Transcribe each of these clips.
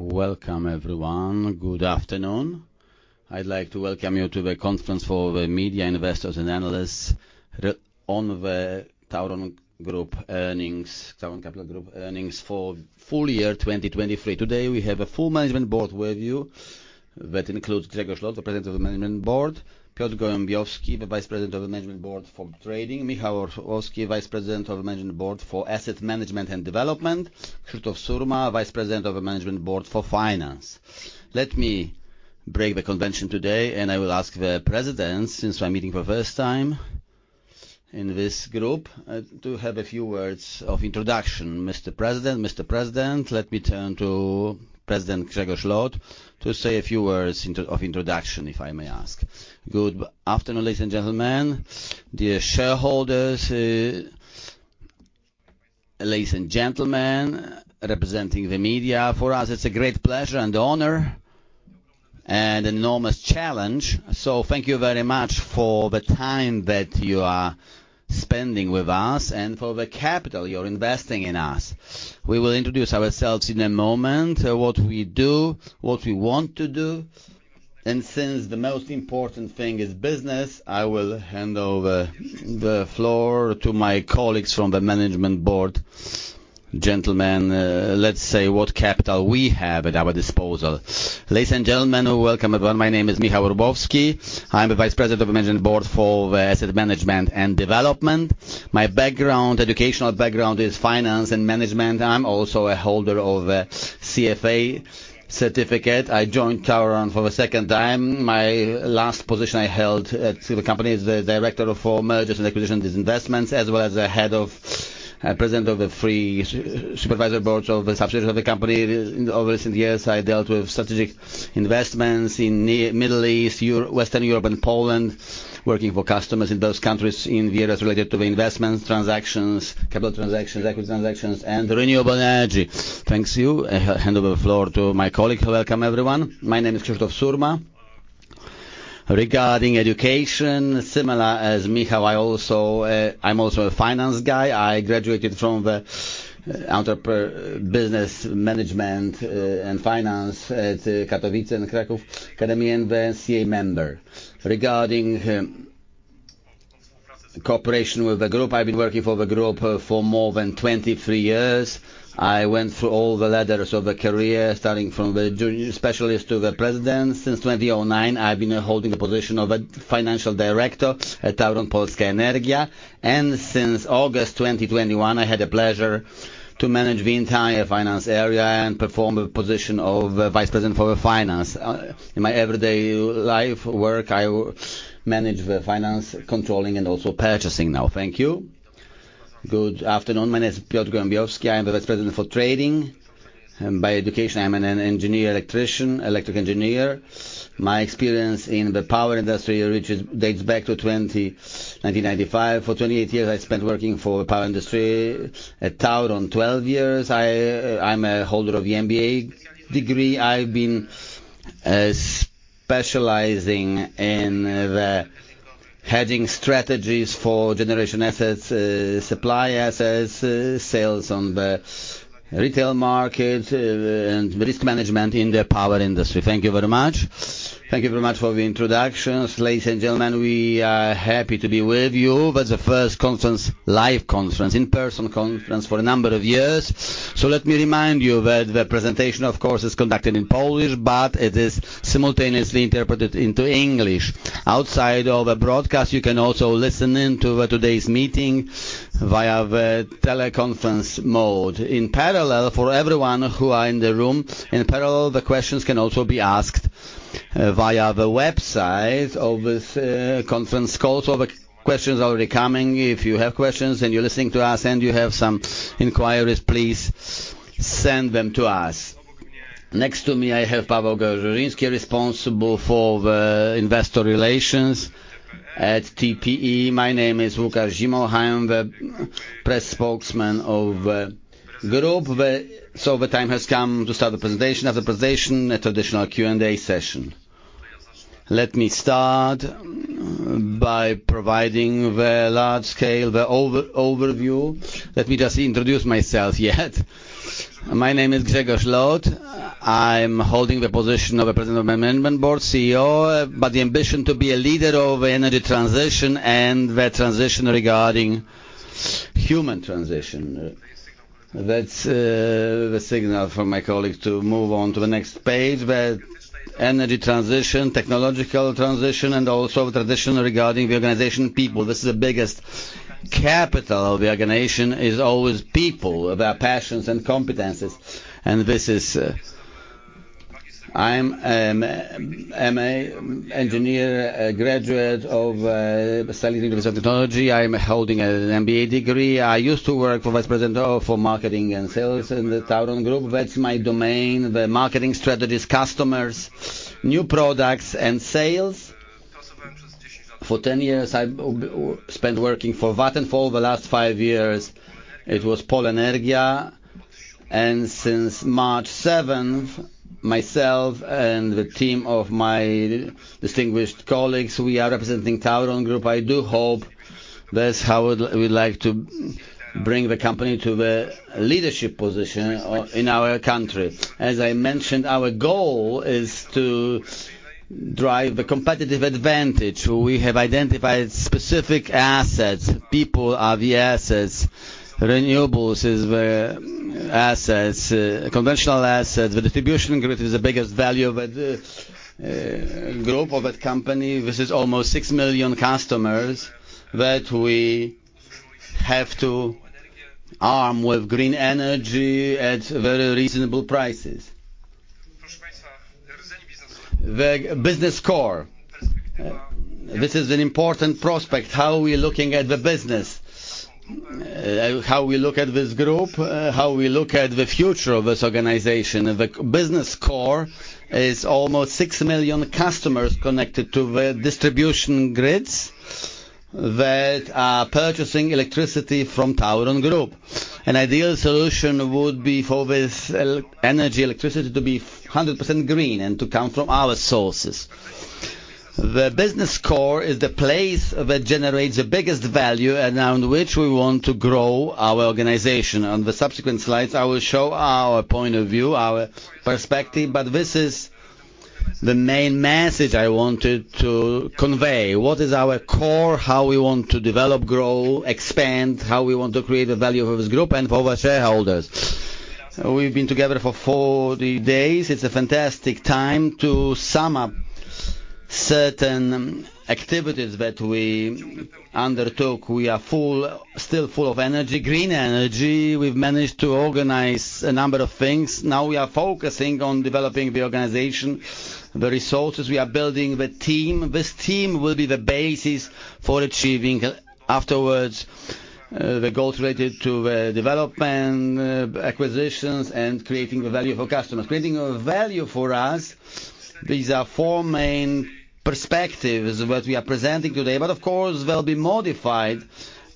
Welcome, everyone. Good afternoon. I'd like to welcome you to the conference for the media, investors, and analysts regarding the TAURON Capital Group earnings for full year 2023. Today we have a full management board with you that includes Grzegorz Lot, the President of the Management Board; Piotr Gołębiowski, the Vice President of the Management Board for Trading; Michał Orłowski, Vice President of the Management Board for Asset Management and Development; Krzysztof Surma, Vice President of the Management Board for Finance. Let me break the convention today and I will ask the Presidents, since we're meeting for the first time in this group, to have a few words of introduction. Mr. President, Mr. President, let me turn to President Grzegorz Lot to say a few words by way of introduction, if I may ask. Good afternoon, ladies and gentlemen. Dear shareholders, ladies and gentlemen representing the media, for us it's a great pleasure and honor and an enormous challenge. So thank you very much for the time that you are spending with us and for the capital you're investing in us. We will introduce ourselves in a moment, what we do, what we want to do, and since the most important thing is business, I will hand over the floor to my colleagues from the management board. Gentlemen, let's say what capital we have at our disposal. Ladies and gentlemen, welcome everyone. My name is Michał Orłowski. I'm the Vice President of the Management Board for the Asset Management and Development. My background, educational background, is finance and management. I'm also a holder of the CFA certificate. I joined TAURON for the second time. My last position I held at the company is the director for mergers and acquisitions and investments, as well as the head of, president of the supervisory board of the subsidiaries of the company. In the over recent years I dealt with strategic investments in Near East, Middle East, Europe, Western Europe, and Poland, working for customers in those countries in various related to the investments, transactions, capital transactions, equity transactions, and renewable energy. Thank you. I hand over the floor to my colleagues. Welcome everyone. My name is Krzysztof Surma. Regarding education, similar as Michał, I'm also a finance guy. I graduated from the entrepreneur business management, and finance at Katowice and Kraków Academy and the CA member. Regarding cooperation with the group, I've been working for the group for more than 23 years. I went through all the ladders of the career, starting from the junior specialist to the president. Since 2009 I've been holding the position of a financial director at TAURON Polska Energia, and since August 2021 I had the pleasure to manage the entire finance area and perform the position of Vice President for Finance. In my everyday work I manage the finance controlling and also purchasing now. Thank you. Good afternoon. My name is Piotr Gołębiowski. I am the Vice President for Trading. By education I'm an engineer electrician, electric engineer. My experience in the power industry dates back to 1995. For 28 years I spent working for the power industry at TAURON. 12 years I, I'm a holder of the MBA degree. I've been specializing in the hedging strategies for generation assets, supply assets, sales on the retail market, and risk management in the power industry. Thank you very much. Thank you very much for the introductions. Ladies and gentlemen, we are happy to be with you. That's the first conference, live conference, in-person conference for a number of years. So let me remind you that the presentation, of course, is conducted in Polish, but it is simultaneously interpreted into English. Outside of a broadcast you can also listen into today's meeting via the teleconference mode. In parallel, for everyone who are in the room, in parallel the questions can also be asked, via the website of this, conference. Also, the questions are already coming. If you have questions and you're listening to us and you have some inquiries, please send them to us. Next to me I have Paweł Grzesiński, responsible for the investor relations at TPE. My name is Łukasz Zimochaj, I'm the press spokesman of the group. So the time has come to start the presentation. After the presentation a traditional Q&A session. Let me start by providing the large scale, the overview. Let me just introduce myself yet. My name is Grzegorz Lot. I'm holding the position of the President of the Management Board, CEO, but the ambition to be a leader of the energy transition and the transition regarding human transition. That's the signal for my colleague to move on to the next page. The energy transition, technological transition, and also tradition regarding the organization, people. This is the biggest capital of the organization is always people, their passions and competencies. And this is, I'm an MA engineer, graduate of Silesian University of Technology. I'm holding an MBA degree. I used to work for the Vice President for Marketing and Sales in the TAURON Group. That's my domain. The marketing strategies, customers, new products, and sales. For 10 years I spent working for Vattenfall. The last five years it was Polenergia, and since March 7th myself and the team of my distinguished colleagues, we are representing TAURON Group. I do hope that's how we'd like to bring the company to the leadership position in our country. As I mentioned, our goal is to drive the competitive advantage. We have identified specific assets, people, RES assets, renewables is the assets, conventional assets. The distribution grid is the biggest value of the Group of that company. This is almost 6 million customers that we have to arm with green energy at very reasonable prices. The business core, this is an important prospect. How we're looking at the business, how we look at this group, how we look at the future of this organization. The business core is almost 6 million customers connected to the distribution grids that are purchasing electricity from TAURON Group. An ideal solution would be for this electricity to be 100% green and to come from our sources. The business core is the place that generates the biggest value around which we want to grow our organization. On the subsequent slides I will show our point of view, our perspective, but this is the main message I wanted to convey. What is our core, how we want to develop, grow, expand, how we want to create the value of this group and for our shareholders. We've been together for 40 days. It's a fantastic time to sum up certain activities that we undertook. We are full, still full of energy, green energy. We've managed to organize a number of things. Now we are focusing on developing the organization, the resources. We are building the team. This team will be the basis for achieving afterwards the goals related to the development, acquisitions, and creating the value for customers. Creating a value for us, these are four main perspectives that we are presenting today, but of course they'll be modified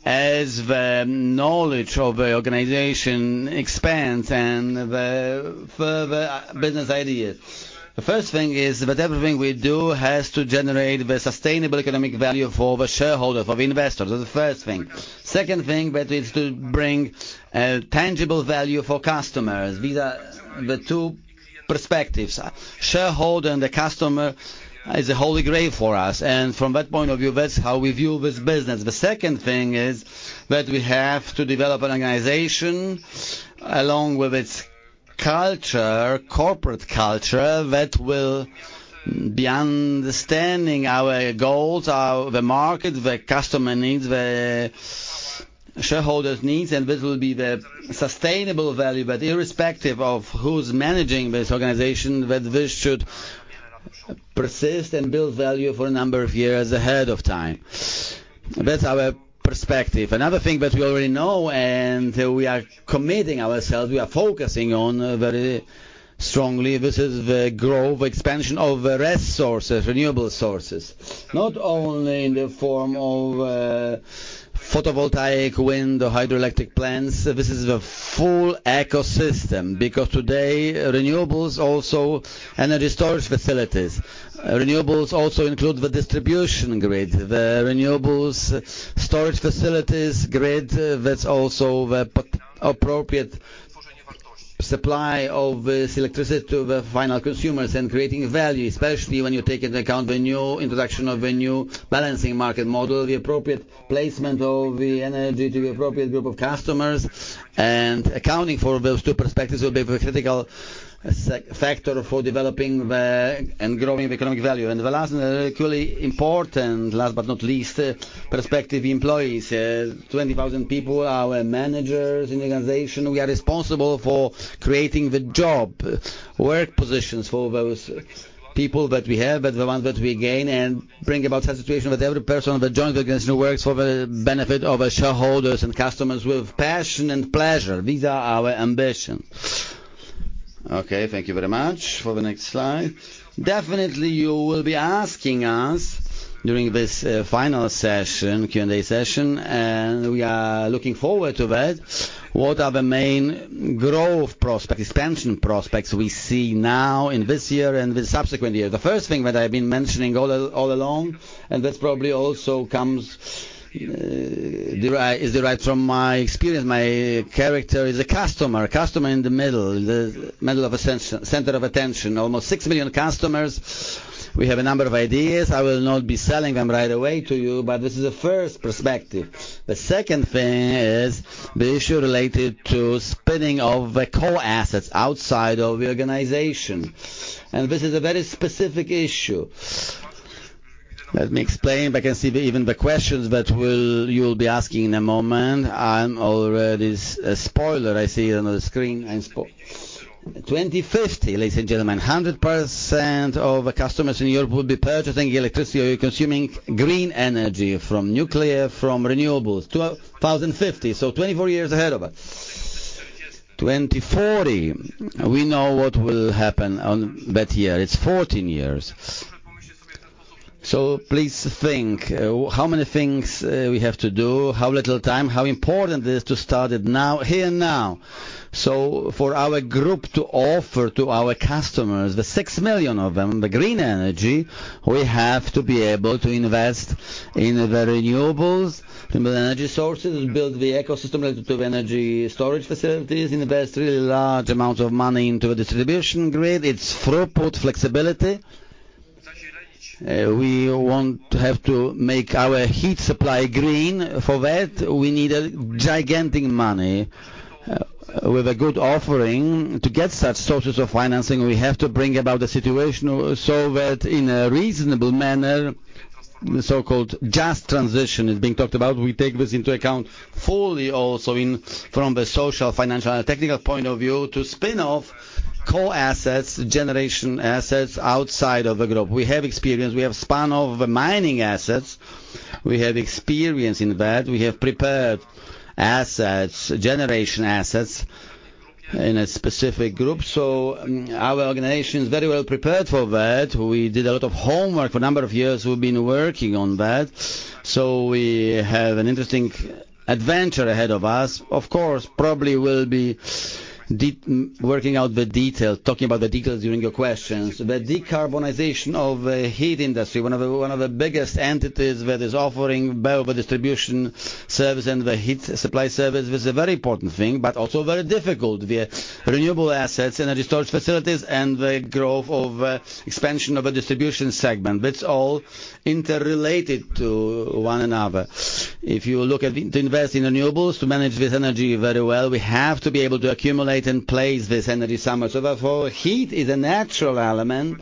as the knowledge of the organization expands and the further business ideas. The first thing is that everything we do has to generate the sustainable economic value for the shareholders, for the investors. That's the first thing. Second thing that is to bring tangible value for customers. These are the two perspectives. Shareholder and the customer is a holy grail for us, and from that point of view that's how we view this business. The second thing is that we have to develop an organization along with its culture, corporate culture, that will be understanding our goals, the market, the customer needs, the shareholders' needs, and this will be the sustainable value that irrespective of who's managing this organization, that this should persist and build value for a number of years ahead of time. That's our perspective. Another thing that we already know and we are committing ourselves, we are focusing on very strongly, this is the growth, expansion of the RES sources, renewable sources. Not only in the form of photovoltaic, wind, or hydroelectric plants. This is the full ecosystem because today renewables also energy storage facilities. Renewables also include the distribution grid, the renewables storage facilities grid that's also the appropriate supply of this electricity to the final consumers and creating value, especially when you take into account the new introduction of the new balancing market model, the appropriate placement of the energy to the appropriate group of customers, and accounting for those two perspectives will be the critical success factor for developing and growing the economic value. And the last and equally important, last but not least, perspective, the employees, 20,000 people, our managers in the organization, we are responsible for creating the job, work positions for those people that we have, but the ones that we gain and bring about such a situation that every person that joins the organization works for the benefit of the shareholders and customers with passion and pleasure. These are our ambitions. Okay. Thank you very much. For the next slide. Definitely, you will be asking us during this final session, Q&A session, and we are looking forward to that. What are the main growth prospects, expansion prospects we see now in this year and the subsequent year? The first thing that I've been mentioning all along, and this probably also comes derived from my experience. My character is a customer, customer in the middle, the center of attention. Almost 6 million customers. We have a number of ideas. I will not be selling them right away to you, but this is the first perspective. The second thing is the issue related to spinning off the core assets outside of the organization, and this is a very specific issue. Let me explain. I can see even the questions that you'll be asking in a moment. I'm already a spoiler. I see it on the screen. I'm spoiling 2050, ladies and gentlemen, 100% of the customers in Europe will be purchasing electricity or consuming green energy from nuclear, from renewables to 2050. So 24 years ahead of us. 2040, we know what will happen on that year. It's 14 years. So please think, how many things we have to do, how little time, how important it is to start it now, here and now. So for our group to offer to our customers, the 6 million of them, the green energy, we have to be able to invest in the renewables, in the energy sources, build the ecosystem related to the energy storage facilities, invest really large amounts of money into the distribution grid. It's throughput flexibility. We want to have to make our heat supply green. For that we need a gigantic money, with a good offering. To get such sources of financing we have to bring about the situation so that in a reasonable manner, the so-called just transition is being talked about. We take this into account fully also in from the social, financial, and technical point of view to spin off core assets, generation assets outside of the group. We have experience. We have spun off the mining assets. We have experience in that. We have prepared assets, generation assets in a specific group. So, our organization is very well prepared for that. We did a lot of homework for a number of years. We've been working on that. So we have an interesting adventure ahead of us. Of course, probably we'll be working out the details, talking about the details during your questions. The decarbonization of the heat industry, one-of the biggest entities that is offering both the distribution service and the heat supply service is a very important thing, but also very difficult via renewable assets, energy storage facilities, and the growth of, expansion of the distribution segment. That's all interrelated to one another. If you look at the to invest in renewables to manage this energy very well, we have to be able to accumulate and place this energy somewhere. So therefore heat is a natural element,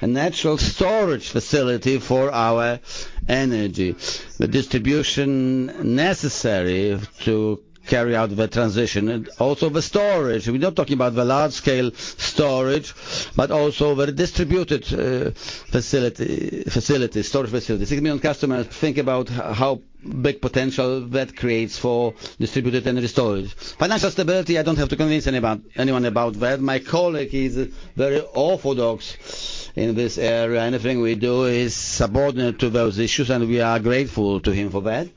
a natural storage facility for our energy. The distribution necessary to carry out the transition and also the storage. We're not talking about the large scale storage, but also the distributed, facility, storage facility. 6 million customers. Think about how big potential that creates for distributed energy storage. Financial stability. I don't have to convince anyone about that. My colleague is very orthodox in this area. Anything we do is subordinate to those issues, and we are grateful to him for that.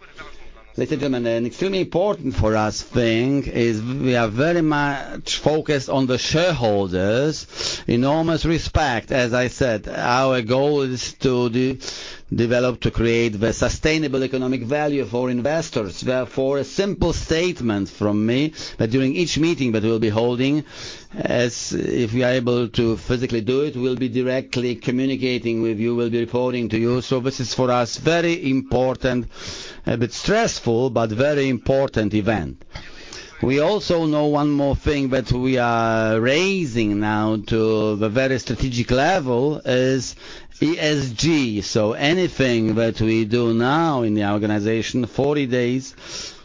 Ladies and gentlemen, an extremely important for us thing is we are very much focused on the shareholders, enormous respect. As I said, our goal is to de develop, to create the sustainable economic value for investors. Therefore a simple statement from me that during each meeting that we'll be holding, as if we are able to physically do it, we'll be directly communicating with you. We'll be reporting to you. So this is for us very important, a bit stressful, but very important event. We also know one more thing that we are raising now to the very strategic level is ESG. So anything that we do now in the organization, 40 days,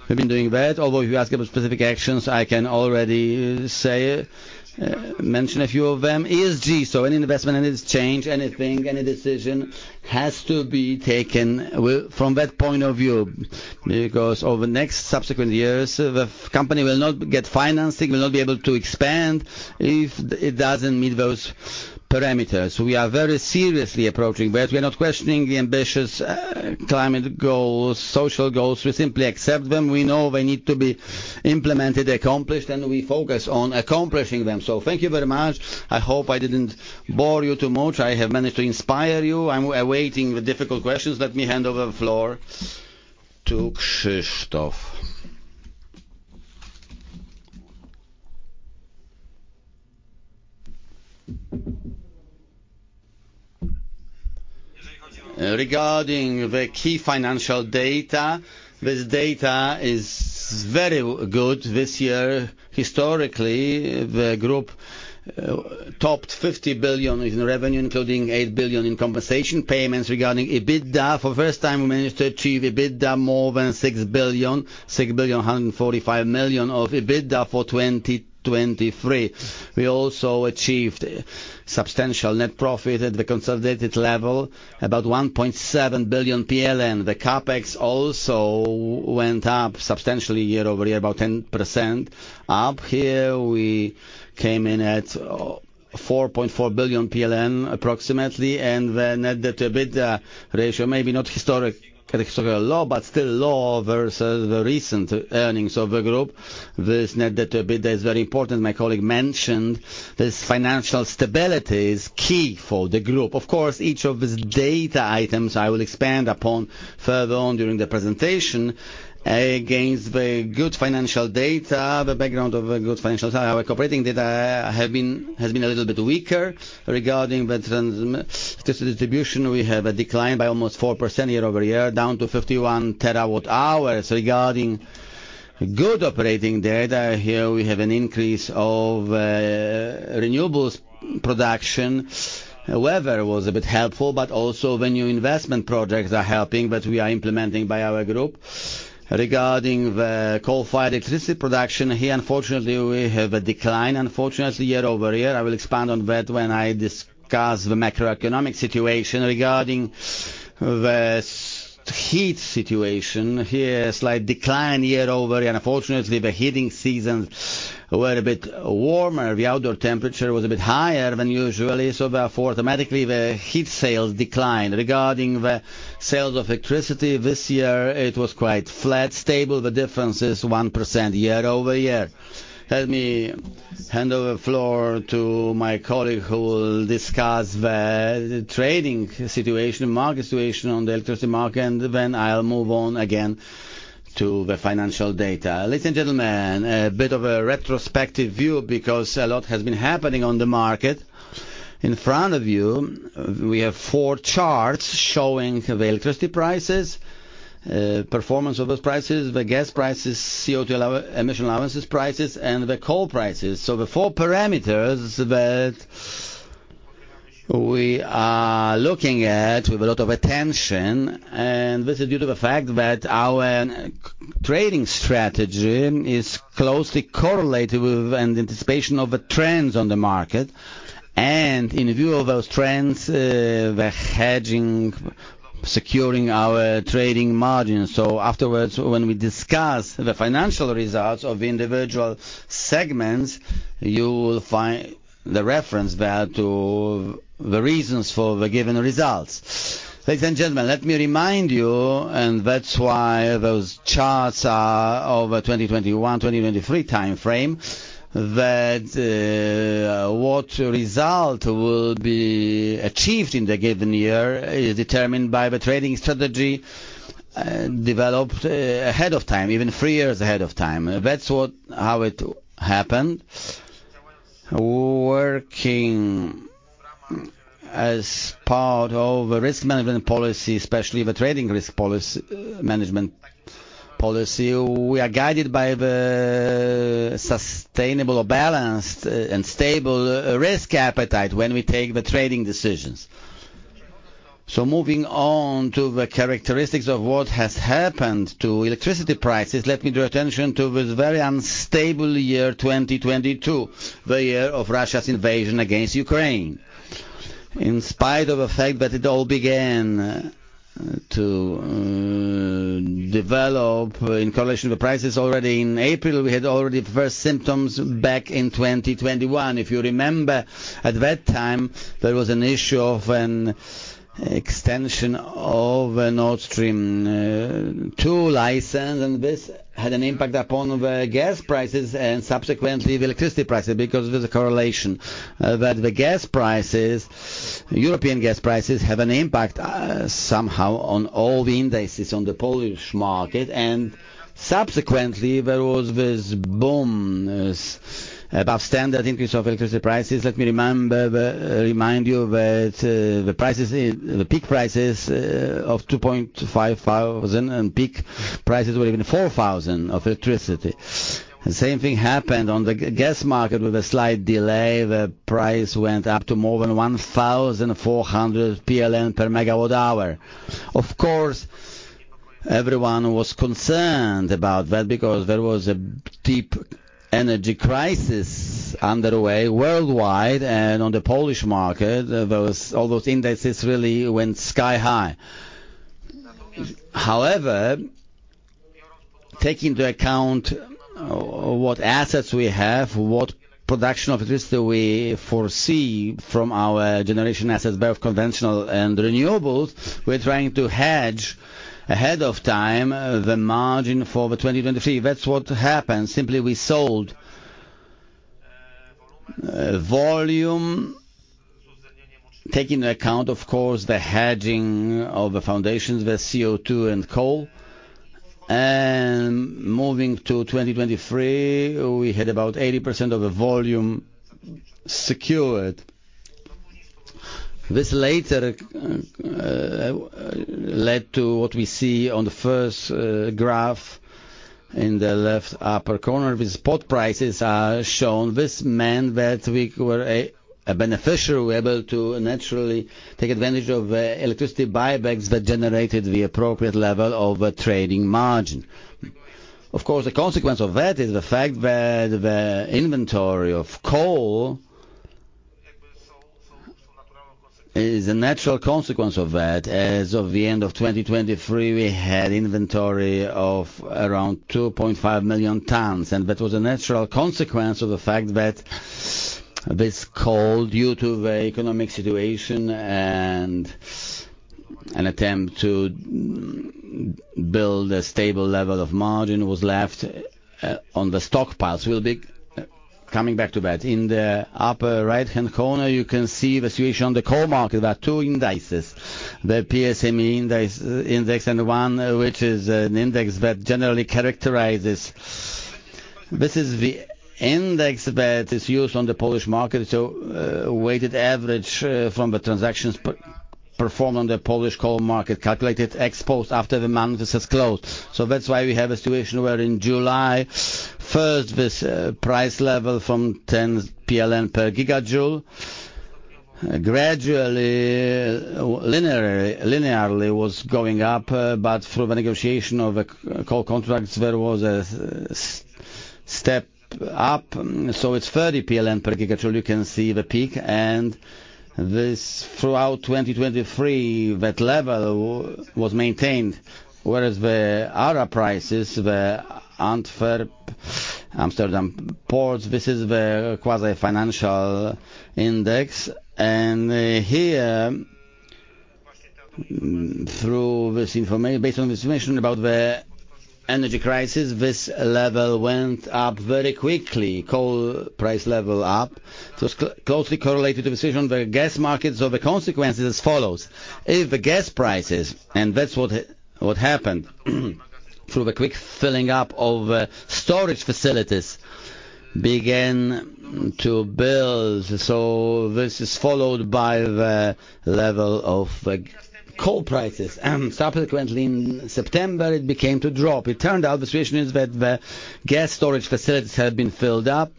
we've been doing that. Although if you ask about specific actions, I can already say, mention a few of them. ESG. So any investment, any change, anything, any decision has to be taken from that point of view because over the next subsequent years the company will not get financing, will not be able to expand if it doesn't meet those parameters. We are very seriously approaching that. We are not questioning the ambitious climate goals, social goals. We simply accept them. We know they need to be implemented, accomplished, and we focus on accomplishing them. So thank you very much. I hope I didn't bore you too much. I have managed to inspire you. I'm awaiting the difficult questions. Let me hand over the floor to Krzysztof. Regarding the key financial data, this data is very good this year. Historically, the group topped 50 billion in revenue, including 8 billion in compensation payments regarding EBITDA. For the first time we managed to achieve EBITDA more than 6 billion, 6 billion 145 million of EBITDA for 2023. We also achieved substantial net profit at the consolidated level, about 1.7 billion PLN. The CapEx also went up substantially year-over-year, about 10%. Up here we came in at, 4.4 billion PLN approximately, and the net debt to EBITDA ratio, maybe not historic, at a historical low, but still low versus the recent earnings of the group. This net debt to EBITDA is very important. My colleague mentioned this financial stability is key for the group. Of course, each of these data items I will expand upon further on during the presentation. Against the good financial data, the background of the good financial data, our operating data have been a little bit weaker regarding the distribution. We have a decline by almost 4% year-over-year, down to 51 TWh. Regarding good operating data, here we have an increase of renewables production. Weather was a bit helpful, but also new investment projects are helping that we are implementing by our group. Regarding the coal-fired electricity production, here unfortunately we have a decline year-over-year. I will expand on that when I discuss the macroeconomic situation. Regarding the heat situation, here a slight decline year-over-year. Unfortunately the heating seasons were a bit warmer. The outdoor temperature was a bit higher than usual. So therefore automatically the heat sales declined. Regarding the sales of electricity this year, it was quite flat, stable. The difference is 1% year-over-year. Let me hand over the floor to my colleague who will discuss the trading situation, market situation on the electricity market, and then I'll move on again to the financial data. Ladies and gentlemen, a bit of a retrospective view because a lot has been happening on the market. In front of you we have four charts showing the electricity prices, performance of those prices, the gas prices, CO2 emission allowances prices, and the coal prices. So the four parameters that we are looking at with a lot of attention, and this is due to the fact that our trading strategy is closely correlated with an anticipation of the trends on the market, and in view of those trends, the hedging, securing our trading margins. So afterwards when we discuss the financial results of individual segments you will find the reference there to the reasons for the given results. Ladies and gentlemen, let me remind you, and that's why those charts are over the 2021-2023 time frame, that what result will be achieved in the given year is determined by the trading strategy developed ahead of time, even three years ahead of time. That's what how it happened. Working as part of the risk management policy, especially the trading risk policy management policy, we are guided by the sustainable or balanced and stable risk appetite when we take the trading decisions. So moving on to the characteristics of what has happened to electricity prices, let me draw attention to this very unstable year 2022, the year of Russia's invasion against Ukraine. In spite of the fact that it all began to develop in correlation with prices already in April, we had already first symptoms back in 2021. If you remember, at that time there was an issue of an extension of a Nord Stream 2 license, and this had an impact upon the gas prices and subsequently the electricity prices because of the correlation that the gas prices, European gas prices, have an impact somehow on all the indices on the Polish market, and subsequently there was this boom, this above standard increase of electricity prices. Let me remind you that the prices in the peak prices of 2,500 PLN/MWh and peak prices were even 4,000 PLN/MWh of electricity. The same thing happened on the gas market with a slight delay. The price went up to more than 1,400 PLN/MWh. Of course, everyone was concerned about that because there was a deep energy crisis underway worldwide, and on the Polish market those indices really went sky high. However, taking into account what assets we have, what production of electricity we foresee from our generation assets, both conventional and renewables, we're trying to hedge ahead of time the margin for 2023. That's what happened. Simply, we sold volume, taking into account of course the hedging of the foundations, the CO2 and coal, and moving to 2023 we had about 80% of the volume secured. This later led to what we see on the first graph in the left upper corner. These spot prices are shown. This meant that we were a beneficiary. We were able to naturally take advantage of the electricity buybacks that generated the appropriate level of a trading margin. Of course, the consequence of that is the fact that the inventory of coal is a natural consequence of that. As of the end of 2023 we had inventory of around 2.5 million tons, and that was a natural consequence of the fact that this coal due to the economic situation and an attempt to build a stable level of margin was left on the stockpiles. We'll be coming back to that. In the upper right-hand corner you can see the situation on the coal market, about two indices. The PSCMI index and the one which is an index that generally characterizes. This is the index that is used on the Polish market. It's a weighted average from the transactions performed on the Polish coal market, calculated ex post after the monetary system closed. So that's why we have a situation where in July first this price level from 10 PLN per gigajoule gradually, linearly was going up, but through the negotiation of the coal contracts there was a step up. So it's 30 PLN per gigajoule. You can see the peak, and this throughout 2023 that level was maintained, whereas the other prices the Antwerp, Amsterdam, Ports, this is the quasi-financial index, and here through this information based on this information about the energy crisis this level went up very quickly. Coal price level up. So it's closely correlated to the decision. The gas markets of the consequences as follows. If the gas prices and that's what happened through the quick filling up of the storage facilities began to build, so this is followed by the level of the coal prices, and subsequently in September it became to drop. It turned out the situation is that the gas storage facilities had been filled up.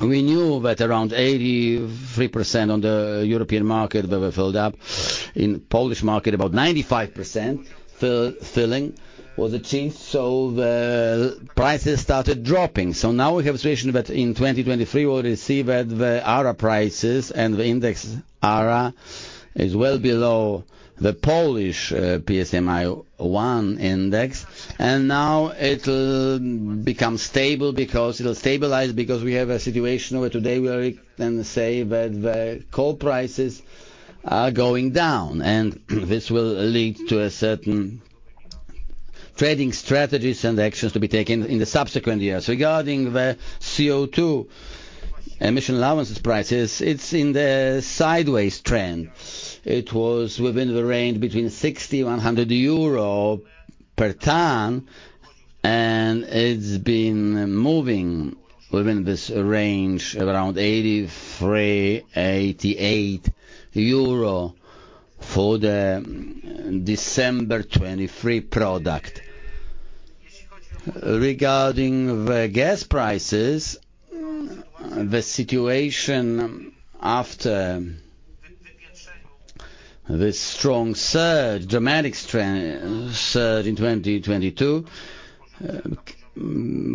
We knew that around 83% on the European market were filled up. In Polish market about 95% filling was achieved, so the prices started dropping. So now we have a situation that in 2023 we'll receive that the other prices and the index other is well below the Polish PSCMI 1 index, and now it'll become stable because it'll stabilize because we have a situation where today we can say that the coal prices are going down, and this will lead to a certain trading strategies and actions to be taken in the subsequent years. Regarding the CO2 emission allowances prices, it's in the sideways trend. It was within the range between 60 and 100 euro per ton, and it's been moving within this range around 83-88 euro for the December 2023 product. Regarding the gas prices, the situation after this strong surge, dramatic surge in 2022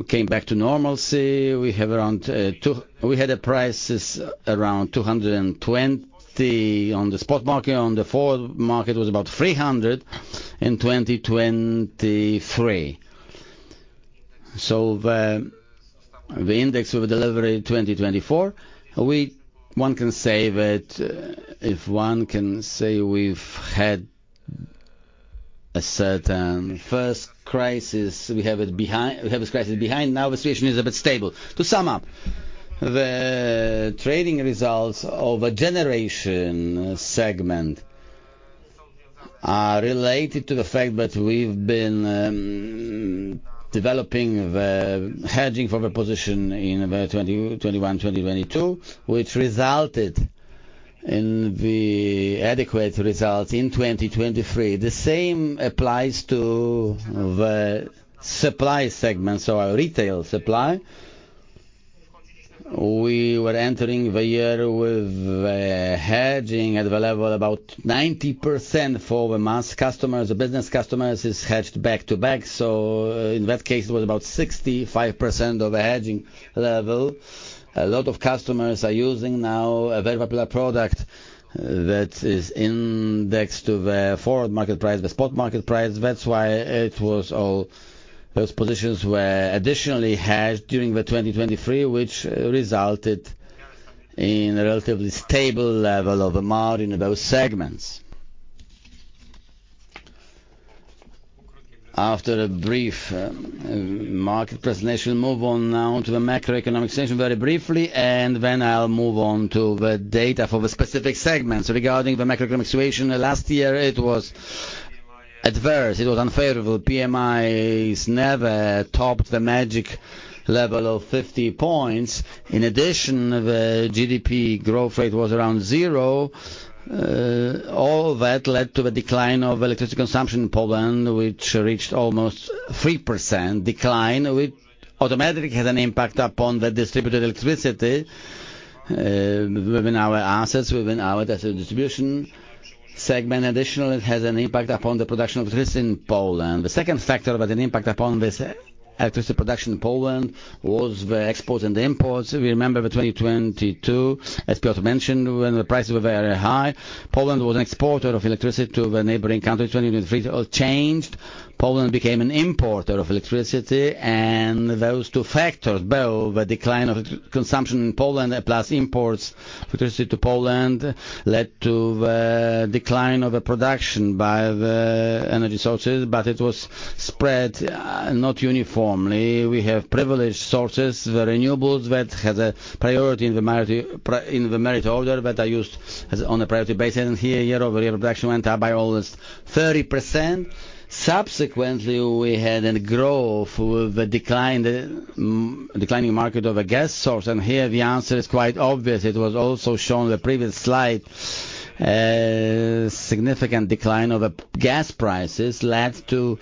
came back to normalcy. We had a price around 220 on the spot market. On the forward market it was about 300 in 2023. So the index we were delivering in 2024, one can say that we've had this first crisis behind us. Now the situation is a bit stable. To sum up, the trading results of the generation segment are related to the fact that we've been developing the hedging for the position in 2021, 2022, which resulted in the adequate results in 2023. The same applies to the supply segment, so our retail supply. We were entering the year with the hedging at the level of about 90% for the mass customers. The business customers is hedged back to back, so in that case it was about 65% of the hedging level. A lot of customers are using now a very popular product that is indexed to the forward market price, the spot market price. That's why it was all those positions were additionally hedged during the 2023, which resulted in a relatively stable level of amount in those segments. After a brief market presentation, move on now to the macroeconomic situation very briefly, and then I'll move on to the data for the specific segments. Regarding the macroeconomic situation, last year it was adverse. It was unfavorable. PMIs never topped the magic level of 50 points. In addition, the GDP growth rate was around zero. All that led to the decline of electricity consumption in Poland, which reached almost 3% decline, which automatically has an impact upon the distributed electricity within our assets, within our distribution segment. Additionally, it has an impact upon the production of electricity in Poland. The second factor that had an impact upon this electricity production in Poland was the exports and the imports. We remember 2022, as Piotr mentioned, when the prices were very high. Poland was an exporter of electricity to the neighboring country. 2023 all changed. Poland became an importer of electricity, and those two factors, both the decline of consumption in Poland plus imports of electricity to Poland, led to the decline of the production by the energy sources, but it was spread not uniformly. We have privileged sources, the renewables that has a priority in the Merit Order that are used on a priority basis, and here year-over-year production went up by almost 30%. Subsequently we had a growth with the declining market of a gas source, and here the answer is quite obvious. It was also shown in the previous slide. A significant decline of the gas prices led to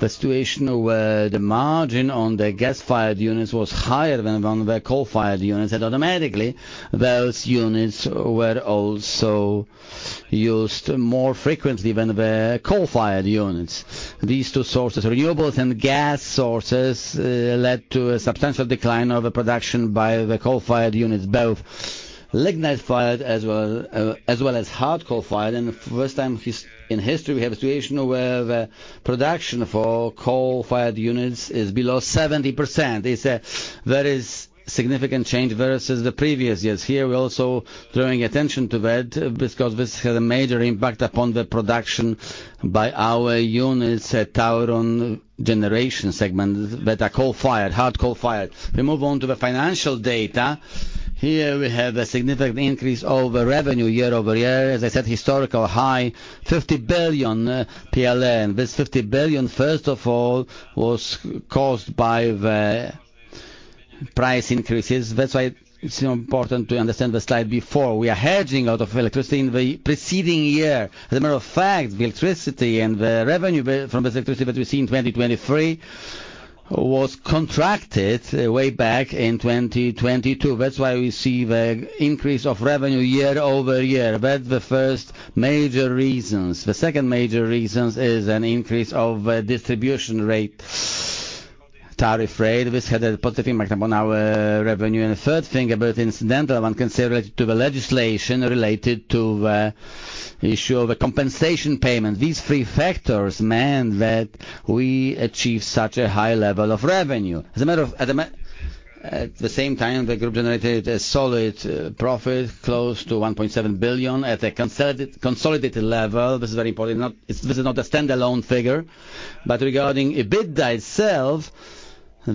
the situation where the margin on the gas-fired units was higher than on the coal-fired units, and automatically those units were also used more frequently than the coal-fired units. These two sources, renewables and gas sources, led to a substantial decline of the production by the coal-fired units, both lignite-fired as well as hard coal-fired, and first time in history we have a situation where the production for coal-fired units is below 70%. It's a very significant change versus the previous years. Here we're also drawing attention to that because this has a major impact upon the production by our units at TAURON generation segment that are coal-fired, hard coal-fired. We move on to the financial data. Here we have a significant increase of revenue year-over-year. As I said, historical high, 50 billion PLN. This 50 billion, first of all, was caused by the price increases. That's why it's important to understand the slide before. We are hedging out of electricity in the preceding year. As a matter of fact, the electricity and the revenue from this electricity that we see in 2023 was contracted way back in 2022. That's why we see the increase of revenue year-over-year. That's the first major reasons. The second major reason is an increase of the distribution rate, tariff rate. This had a positive impact upon our revenue. And the third thing, a bit incidental, one can say related to the legislation related to the issue of the compensation payment. These three factors meant that we achieved such a high level of revenue. As a matter of at the same time, the group generated a solid profit close to 1.7 billion at a consolidated level. This is very important. This is not a standalone figure, but regarding EBITDA itself,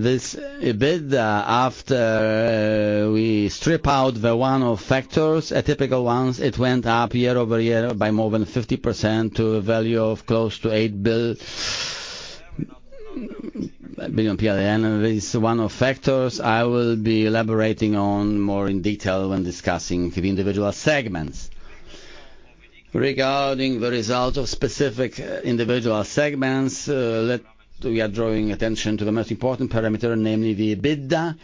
this EBITDA after we strip out the one-off factors, atypical ones, it went up year-over-year by more than 50% to a value of close to 8 billion PLN. This one-off factors I will be elaborating on more in detail when discussing the individual segments. Regarding the results of specific individual segments, let we are drawing attention to the most important parameter, namely the EBITDA.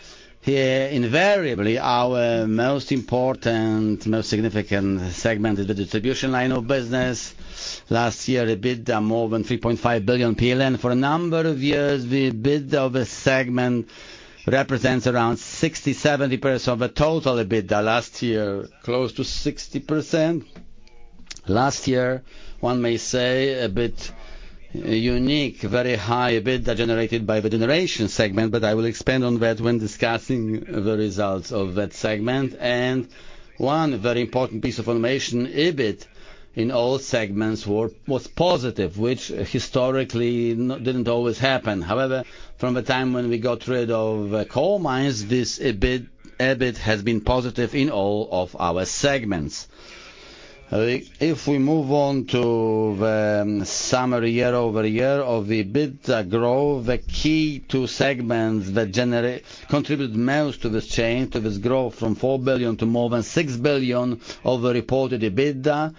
Here, invariably, our most important, most significant segment is the distribution line of business. Last year, EBITDA more than 3.5 billion PLN. For a number of years, the EBITDA of a segment represents around 60%-70% of the total EBITDA; last year, close to 60%. Last year, one may say, a bit unique, very high EBITDA generated by the generation segment, but I will expand on that when discussing the results of that segment. And one very important piece of information, EBIT in all segments was positive, which historically didn't always happen. However, from the time when we got rid of coal mines, this EBIT has been positive in all of our segments. If we move on to the summary year-over-year of the EBITDA growth, the key two segments that contribute most to this change, to this growth from 4 billion to more than 6 billion of the reported EBITDA,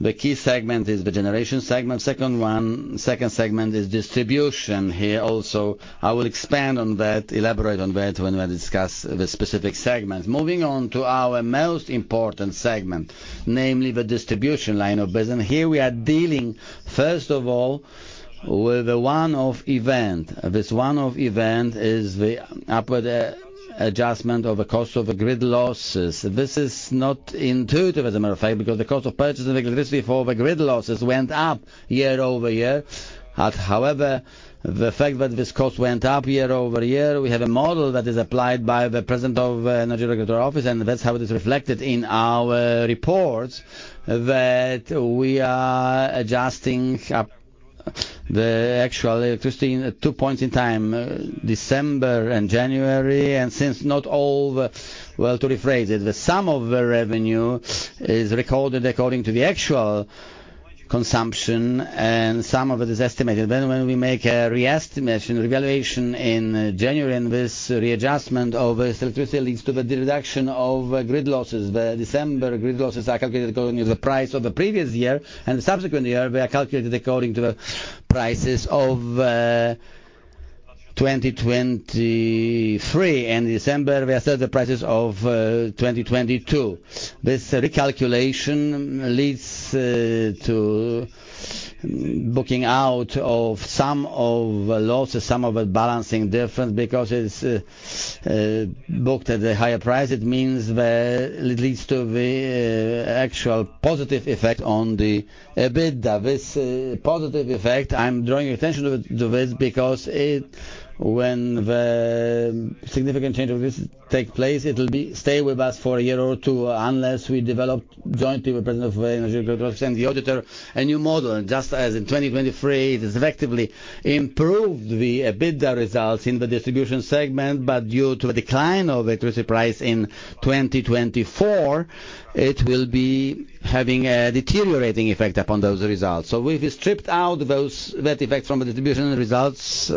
the key segment is the generation segment. Second one second segment is distribution. Here also I will expand on that, elaborate on that when we discuss the specific segments. Moving on to our most important segment, namely the distribution line of business. Here we are dealing first of all with the one-off event. This one-off event is the upward adjustment of the cost of the grid losses. This is not intuitive as a matter of fact because the cost of purchasing electricity for the grid losses went up year-over-year. However, the fact that this cost went up year-over-year, we have a model that is applied by the president of the energy regulatory office, and that's how it is reflected in our reports that we are adjusting up the actual electricity in two points in time, December and January, and since not all, the sum of the revenue is recorded according to the actual consumption and some of it is estimated. Then when we make a re-estimation, revaluation in January and this re-adjustment of this electricity leads to the reduction of grid losses. The December grid losses are calculated according to the price of the previous year, and the subsequent year they are calculated according to the prices of 2023, and December we assess the prices of 2022. This recalculation leads to booking out of some of the losses, some of the balancing difference because it's booked at a higher price. It means that it leads to the actual positive effect on the EBITDA. This positive effect I'm drawing attention to this because when the significant change of this takes place it will stay with us for a year or two unless we develop jointly with the president of the energy regulatory office and the auditor a new model. Just as in 2023 it effectively improved the EBITDA results in the distribution segment, but due to the decline of electricity price in 2024 it will be having a deteriorating effect upon those results. So we've stripped out that effect from the distribution results,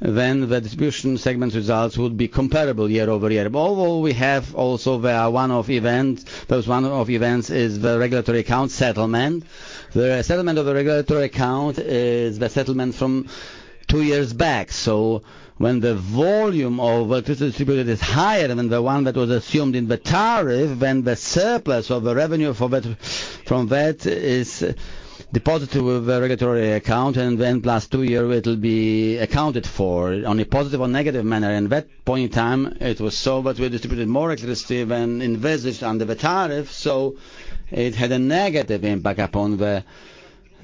then the distribution segment results would be comparable year-over-year. Although we have also there are one-off events, those one-off events is the Regulatory Account settlement. The settlement of the Regulatory Account is the settlement from two years back. So when the volume of electricity distributed is higher than the one that was assumed in the tariff, then the surplus of the revenue from that is deposited with the Regulatory Account, and then plus two years it will be accounted for on a positive or negative manner. And that point in time it was so that we distributed more electricity than envisaged under the tariff, so it had a negative impact upon the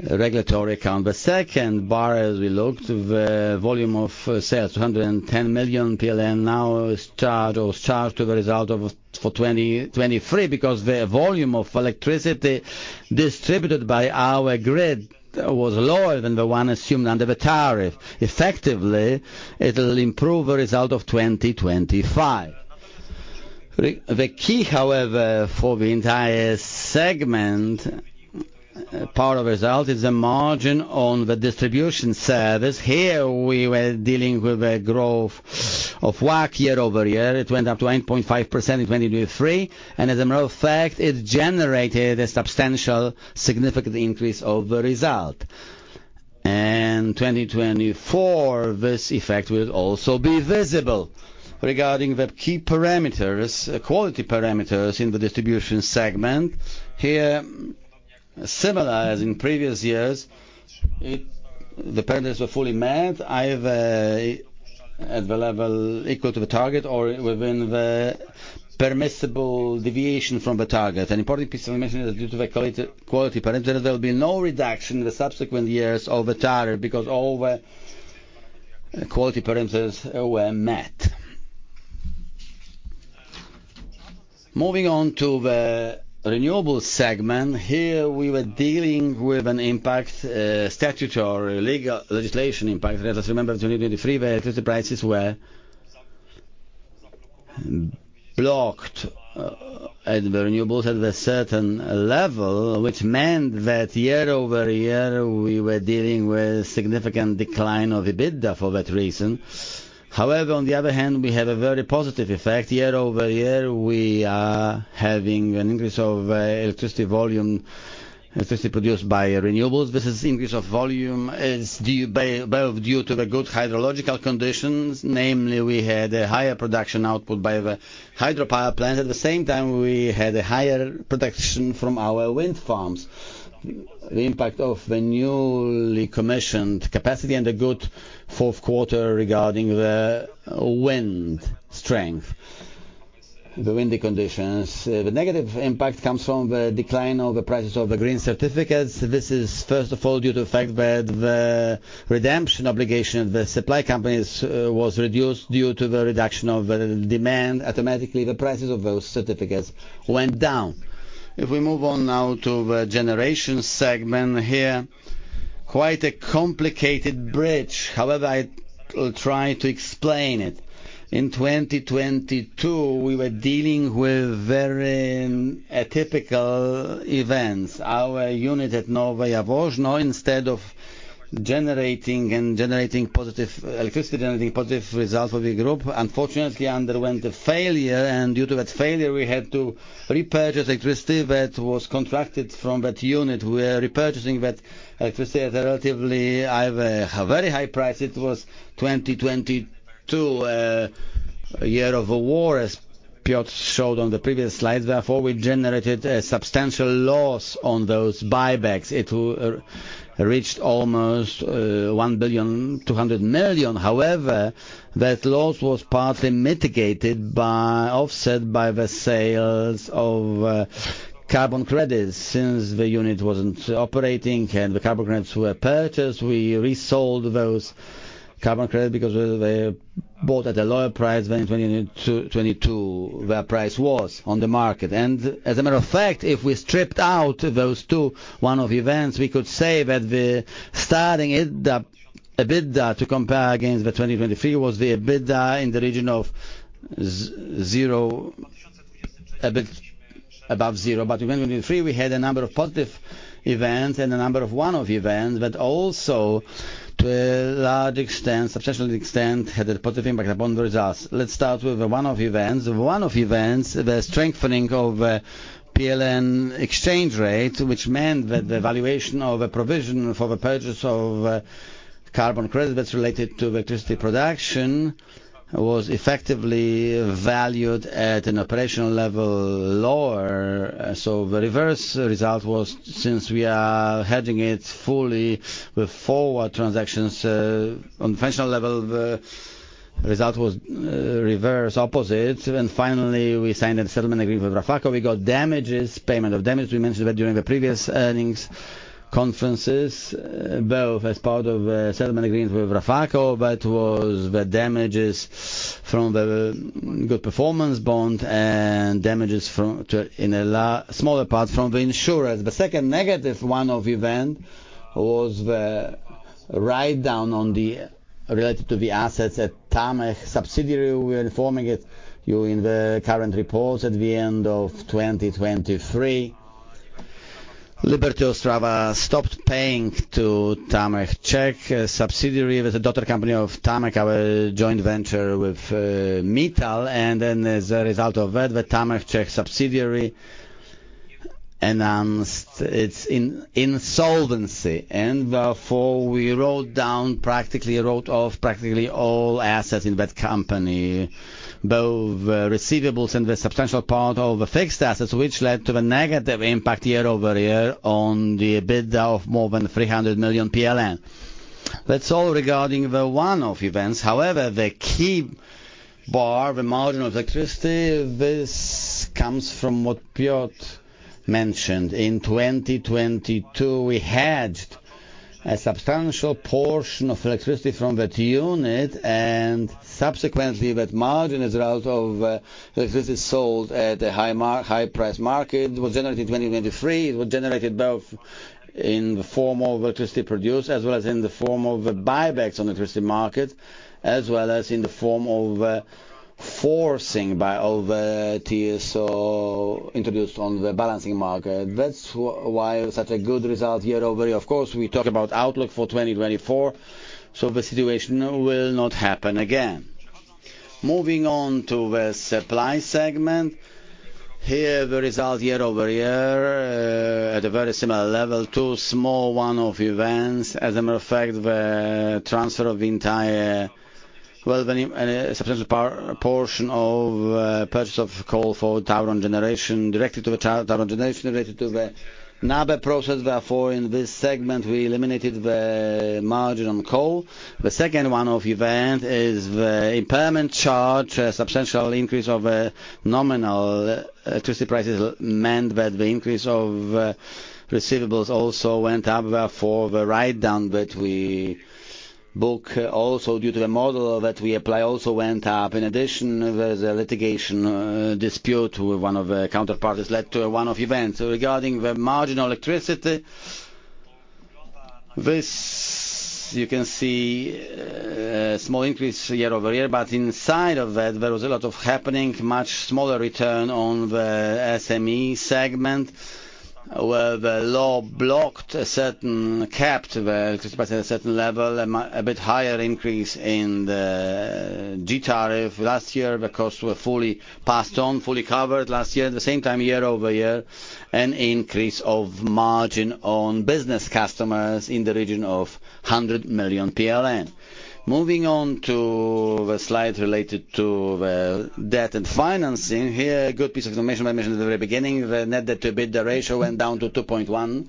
Regulatory Account. The second bar as we looked, the volume of sales, 210 million PLN now charged or charged to the result of for 2023 because the volume of electricity distributed by our grid was lower than the one assumed under the tariff. Effectively it will improve the result of 2025. The key however for the entire segment part of result is the margin on the distribution service. Here we were dealing with a growth of WACC year-over-year. It went up to 8.5% in 2023, and as a matter of fact it generated a substantial significant increase of the result. 2024 this effect will also be visible. Regarding the key parameters, quality parameters in the distribution segment, here similar as in previous years the parameters were fully met either at the level equal to the target or within the permissible deviation from the target. An important piece of information is due to the quality parameters there will be no reduction in the subsequent years of the tariff because all the quality parameters were met. Moving on to the renewable segment, here we were dealing with an impact, statutory legal legislation impact. As I remember in 2023 the electricity prices were blocked at the renewables at a certain level, which meant that year-over-year we were dealing with significant decline of EBITDA for that reason. However, on the other hand we have a very positive effect. Year-over-year we are having an increase of electricity volume, electricity produced by renewables. This increase of volume is both due to the good hydrological conditions, namely we had a higher production output by the hydropower plant. At the same time we had a higher production from our wind farms. The impact of the newly commissioned capacity and the good fourth quarter regarding the wind strength, the windy conditions. The negative impact comes from the decline of the prices of the green certificates. This is first of all due to the fact that the redemption obligation of the supply companies was reduced due to the reduction of the demand. Automatically the prices of those certificates went down. If we move on now to the generation segment here, quite a complicated bridge. However, I'll try to explain it. In 2022 we were dealing with very atypical events. Our unit at Nowe Jaworzno instead of generating and generating positive electricity, generating positive results for the group unfortunately underwent a failure, and due to that failure we had to repurchase electricity that was contracted from that unit. We were repurchasing that electricity at a relatively either a very high price. It was 2022, a year of a war as Piotr showed on the previous slides. Therefore we generated a substantial loss on those buybacks. It reached almost 1.2 billion. However, that loss was partly mitigated by offset by the sales of carbon credits. Since the unit wasn't operating and the carbon credits were purchased, we resold those carbon credits because they were bought at a lower price than in 2022 their price was on the market. And as a matter of fact, if we stripped out those two, one-off events, we could say that the starting EBITDA to compare against the 2023 was the EBITDA in the region of zero, a bit above zero. But in 2023 we had a number of positive events and a number of one-off events that also to a large extent, substantial extent had a positive impact upon the results. Let's start with the one-off events. One-off events, the strengthening of the PLN exchange rate, which meant that the valuation of a provision for the purchase of carbon credits that's related to electricity production was effectively valued at an operational level lower. So the reverse result was, since we are hedging it fully with forward transactions on the functional level, the result was reverse, opposite. And finally, we signed a settlement agreement with RAFACO. We got damages, payment of damages. We mentioned that during the previous earnings conferences both as part of the settlement agreement with RAFACO but was the damages from the good performance bond and damages from to in a smaller part from the insurers. The second negative one-off event was the write-down related to the assets at TAMEH subsidiary. We were informing you in the current reports at the end of 2023. Liberty Ostrava stopped paying to TAMEH Czech subsidiary with the daughter company of TAMEH, our joint venture with ArcelorMittal. Then as a result of that the TAMEH Czech subsidiary announced its insolvency. Therefore we wrote off practically all assets in that company, both receivables and the substantial part of the fixed assets, which led to a negative impact year over year on the EBITDA of more than 300 million PLN. That's all regarding the one-off events. However, the key part, the margin of electricity, this comes from what Piotr mentioned. In 2022 we hedged a substantial portion of electricity from that unit and subsequently that margin as a result of electricity sold at a high price market was generated in 2023. It was generated both in the form of electricity produced as well as in the form of buybacks on electricity market as well as in the form of forcing by all the TSO introduced on the balancing market. That's why such a good result year-over-year. Of course we talk about outlook for 2024, so the situation will not happen again. Moving on to the supply segment, here the result year-over-year at a very similar level, two small one-off events. As a matter of fact the transfer of the entire, well, the substantial portion of purchase of coal for TAURON generation, directly to the TAURON generation related to the NABE process. Therefore in this segment we eliminated the margin on coal. The second one-off event is the impairment charge, a substantial increase of the nominal electricity prices meant that the increase of receivables also went up. Therefore, the write down that we book also due to the model that we apply also went up. In addition, there's a litigation dispute with one of the counterparties led to one-off events. Regarding the marginal electricity, this you can see small increase year-over-year but inside of that there was a lot of happening, much smaller return on the SME segment where the law blocked a certain capped the electricity price at a certain level, a bit higher increase in the G tariff last year. The costs were fully passed on, fully covered last year. At the same time year-over-year an increase of margin on business customers in the region of 100 million PLN. Moving on to the slide related to the debt and financing, here a good piece of information I mentioned at the very beginning. The net debt to EBITDA ratio went down to 2.1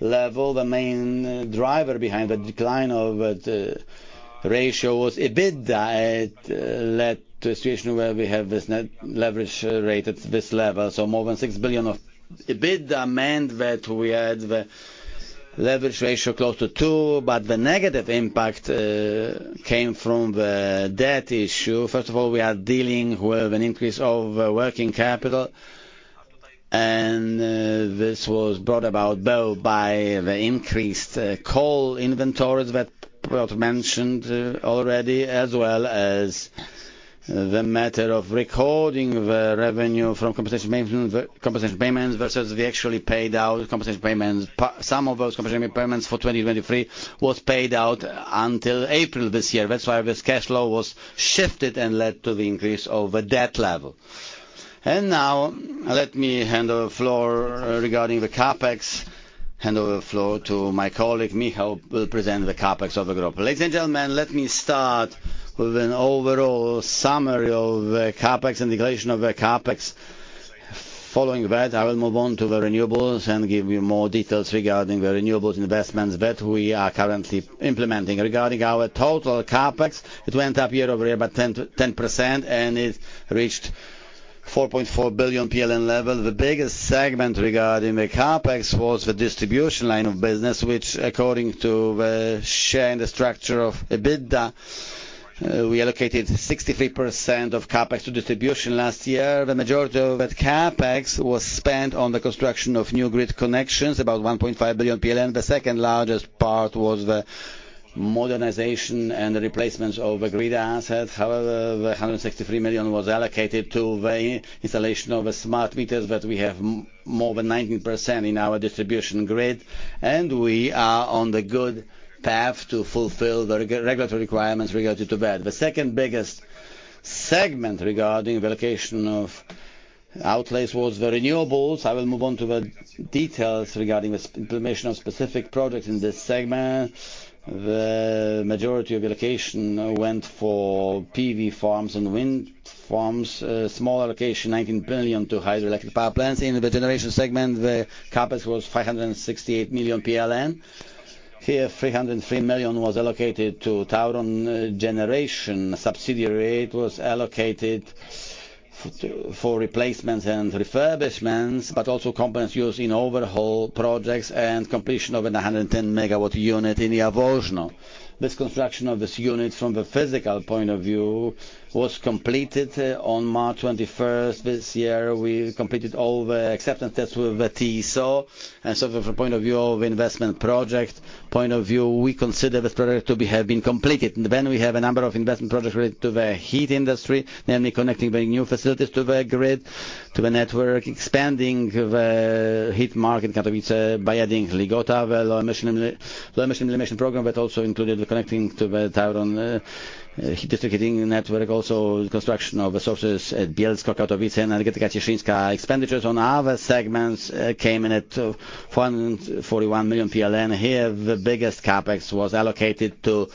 level. The main driver behind the decline of the ratio was EBITDA that led to a situation where we have this net leverage rate at this level. So more than 6 billion of EBITDA meant that we had the leverage ratio close to 2 but the negative impact came from the debt issue. First of all we are dealing with an increase of working capital and this was brought about both by the increased coal inventories that Piotr mentioned already as well as the matter of recording the revenue from compensation payments versus the actually paid out compensation payments. Some of those compensation payments for 2023 was paid out until April this year. That's why this cash flow was shifted and led to the increase of the debt level. Now let me hand over the floor regarding the CapEx. Hand over the floor to my colleague Michał, who will present the CapEx of the group. Ladies and gentlemen, let me start with an overall summary of the CapEx and declaration of the CapEx. Following that, I will move on to the renewables and give you more details regarding the renewables investments that we are currently implementing. Regarding our total CapEx, it went up year-over-year by 10% and it reached 4.4 billion PLN level. The biggest segment regarding the CapEx was the distribution line of business, which, according to the share and the structure of EBITDA, we allocated 63% of CapEx to distribution last year. The majority of that CapEx was spent on the construction of new grid connections, about 1.5 billion PLN. The second largest part was the modernization and replacements of the grid assets. However, the 163 million was allocated to the installation of the smart meters that we have more than 19% in our distribution grid and we are on the good path to fulfill the regulatory requirements related to that. The second biggest segment regarding the allocation of outlays was the renewables. I will move on to the details regarding the implementation of specific projects in this segment. The majority of the allocation went for PV farms and wind farms, small allocation 19 billion to hydroelectric power plants. In the generation segment the CapEx was 568 million PLN. Here 303 million was allocated to TAURON generation. Subsidiary rate was allocated for replacements and refurbishments but also components used in overhaul projects and completion of a 110 MW unit in Jaworzno. This construction of this unit from the physical point of view was completed on March 21st this year. We completed all the acceptance tests with the TSO and so from the point of view of investment project point of view we consider this project to have been completed. Then we have a number of investment projects related to the heat industry, namely connecting very new facilities to the grid, to the network, expanding the heat market Katowice by adding Ligota, the low emission elimination program that also included connecting to the TAURON district heating network. Also the construction of resources at Bielsko-Biała, Katowice and Energetyka Cieszyńska. Expenditures on other segments came in at 441 million PLN. Here the biggest CapEx was allocated to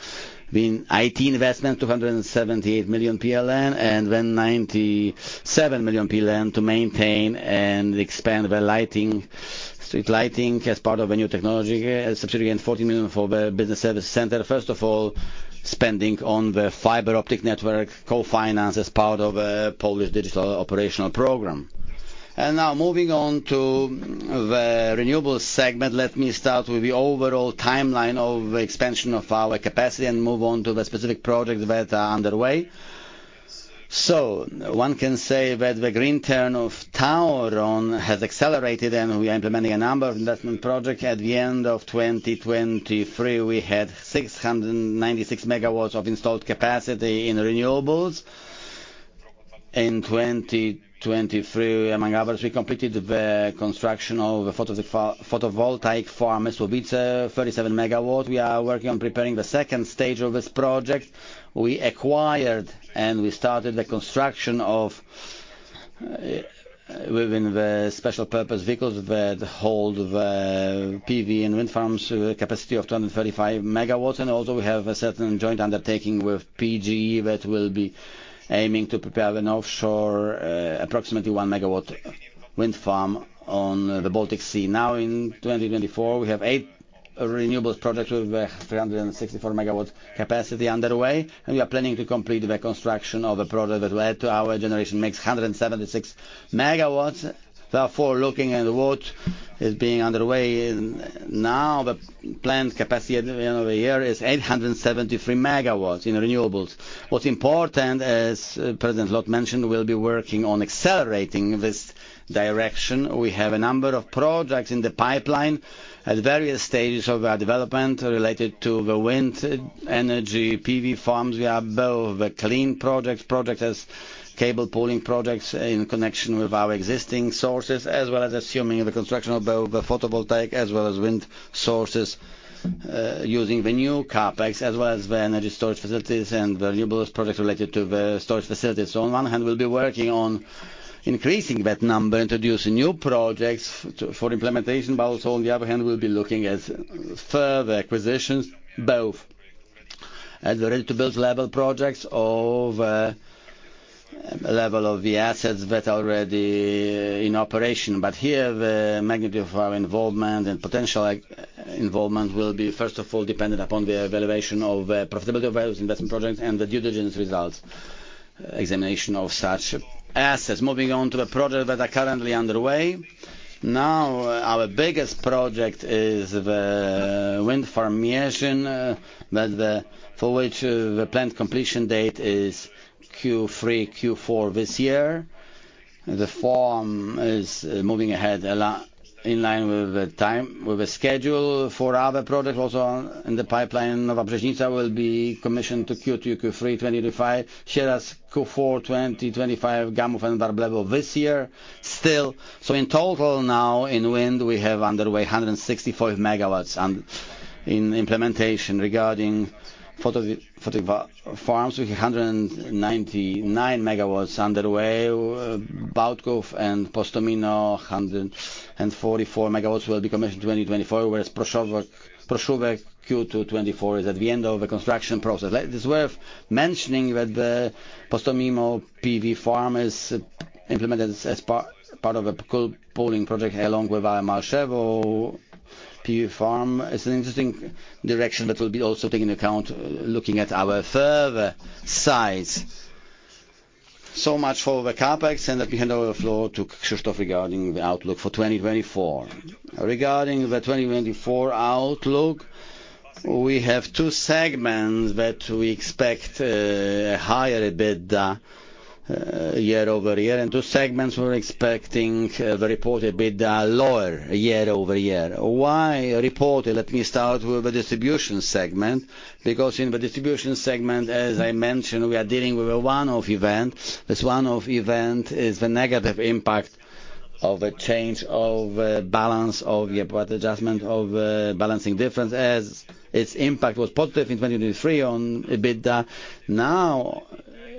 be IT investment, 278 million PLN and then 97 million PLN to maintain and expand the lighting, street lighting as part of a Nowe Technologie. Subsidiary gained 14 million for the business service center. First of all, spending on the fiber optic network co-finance as part of a Polish digital operational program. Now moving on to the renewables segment, let me start with the overall timeline of expansion of our capacity and move on to the specific projects that are underway. One can say that the green turn of TAURON has accelerated and we are implementing a number of investment projects. At the end of 2023, we had 696 MW of installed capacity in renewables. In 2023, among others, we completed the construction of the Mysłowice photovoltaic farm, 37 MW. We are working on preparing the second stage of this project. We acquired and we started the construction of within the special purpose vehicles that hold the PV and wind farms capacity of 235 MW. We also have a certain joint undertaking with PGE that will be aiming to prepare an offshore approximately 1 MW wind farm on the Baltic Sea. Now in 2024 we have 8 renewables projects with 364 MW capacity underway and we are planning to complete the construction of a project that will add to our generation mix 176 MW. Therefore, looking at what is being underway now the planned capacity at the end of the year is 873 MW in renewables. What's important as President Lot mentioned we'll be working on accelerating this direction. We have a number of projects in the pipeline at various stages of our development related to the wind energy, PV farms. We have both the clean projects, projects as cable pooling projects in connection with our existing sources as well as assuming the construction of both the photovoltaic as well as wind sources using the new CapEx as well as the energy storage facilities and renewables projects related to the storage facilities. So on one hand we'll be working on increasing that number, introducing new projects for implementation. But also on the other hand we'll be looking at further acquisitions, both at the ready-to-build level projects or the level of the assets that are already in operation. But here the magnitude of our involvement and potential involvement will be first of all dependent upon the evaluation of the profitability of those investment projects and the due diligence results, examination of such assets. Moving on to the projects that are currently underway, now our biggest project is the wind farm Mierzyn for which the planned completion date is Q3, Q4 this year. The farm is moving ahead in line with the timeline, with the schedule for other projects also in the pipeline. Nowa Brzeźnica will be commissioned to Q2, Q3 2025. Sieradz Q4 2025 Gamów Sieradz Warblewo this year still. So in total now in wind we have underway 165 MW in implementation regarding photovoltaic farms. We have 199 MW underway. Bałtków and Postomino 144 MW will be commissioned 2024 whereas Proszówek Q2 2024 is at the end of the construction process. It's worth mentioning that the Postomino PV farm is implemented as part of a cable pooling project along with our Malczewo PV farm. It's an interesting direction that will be also taken into account looking at our further size. So much for the CapEx and let me hand over the floor to Krzysztof regarding the outlook for 2024. Regarding the 2024 outlook we have two segments that we expect a higher EBITDA year-over-year and two segments we're expecting the reported EBITDA lower year-over-year. Why reported? Let me start with the distribution segment because in the distribution segment as I mentioned we are dealing with a one-off event. This one-off event is the negative impact of a change of balance of the adjustment of balancing difference as its impact was positive in 2023 on EBITDA. Now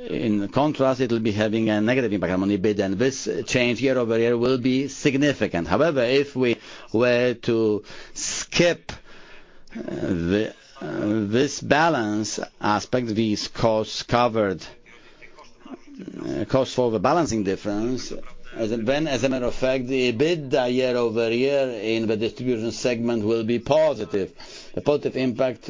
in contrast it'll be having a negative impact on EBITDA and this change year-over-year will be significant. However, if we were to skip this balance aspect, these costs covered, costs for the balancing difference, then as a matter of fact the EBITDA year-over-year in the distribution segment will be positive. The positive impact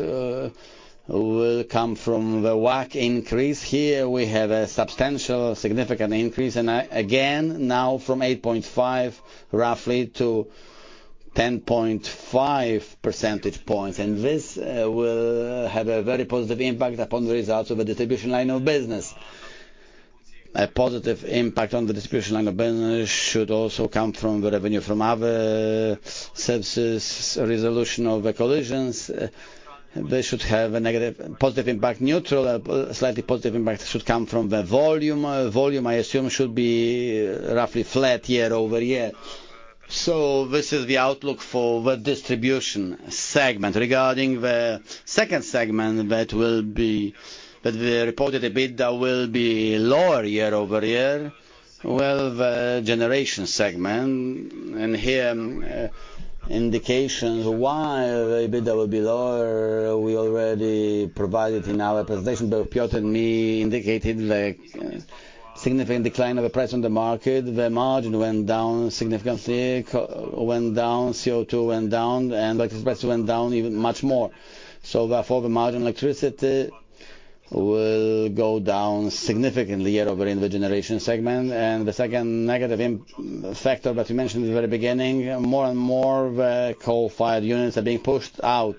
will come from the WACC increase. Here we have a substantial, significant increase and again now from 8.5 roughly to 10.5 percentage points and this will have a very positive impact upon the results of the distribution line of business. A positive impact on the distribution line of business should also come from the revenue from other services, resolution of the collisions. This should have a negative positive impact, neutral, slightly positive impact should come from the volume. Volume I assume should be roughly flat year-over-year. So this is the outlook for the distribution segment. Regarding the second segment that will be that the reported EBITDA will be lower year-over-year, well, the generation segment and here indications why the EBITDA will be lower we already provided in our presentation. But Piotr and me indicated the significant decline of the price on the market. The margin went down significantly, went down, CO2 went down and electricity prices went down even much more. So therefore the margin electricity will go down significantly year-over-year in the generation segment. And the second negative factor that we mentioned at the very beginning, more and more coal-fired units are being pushed out,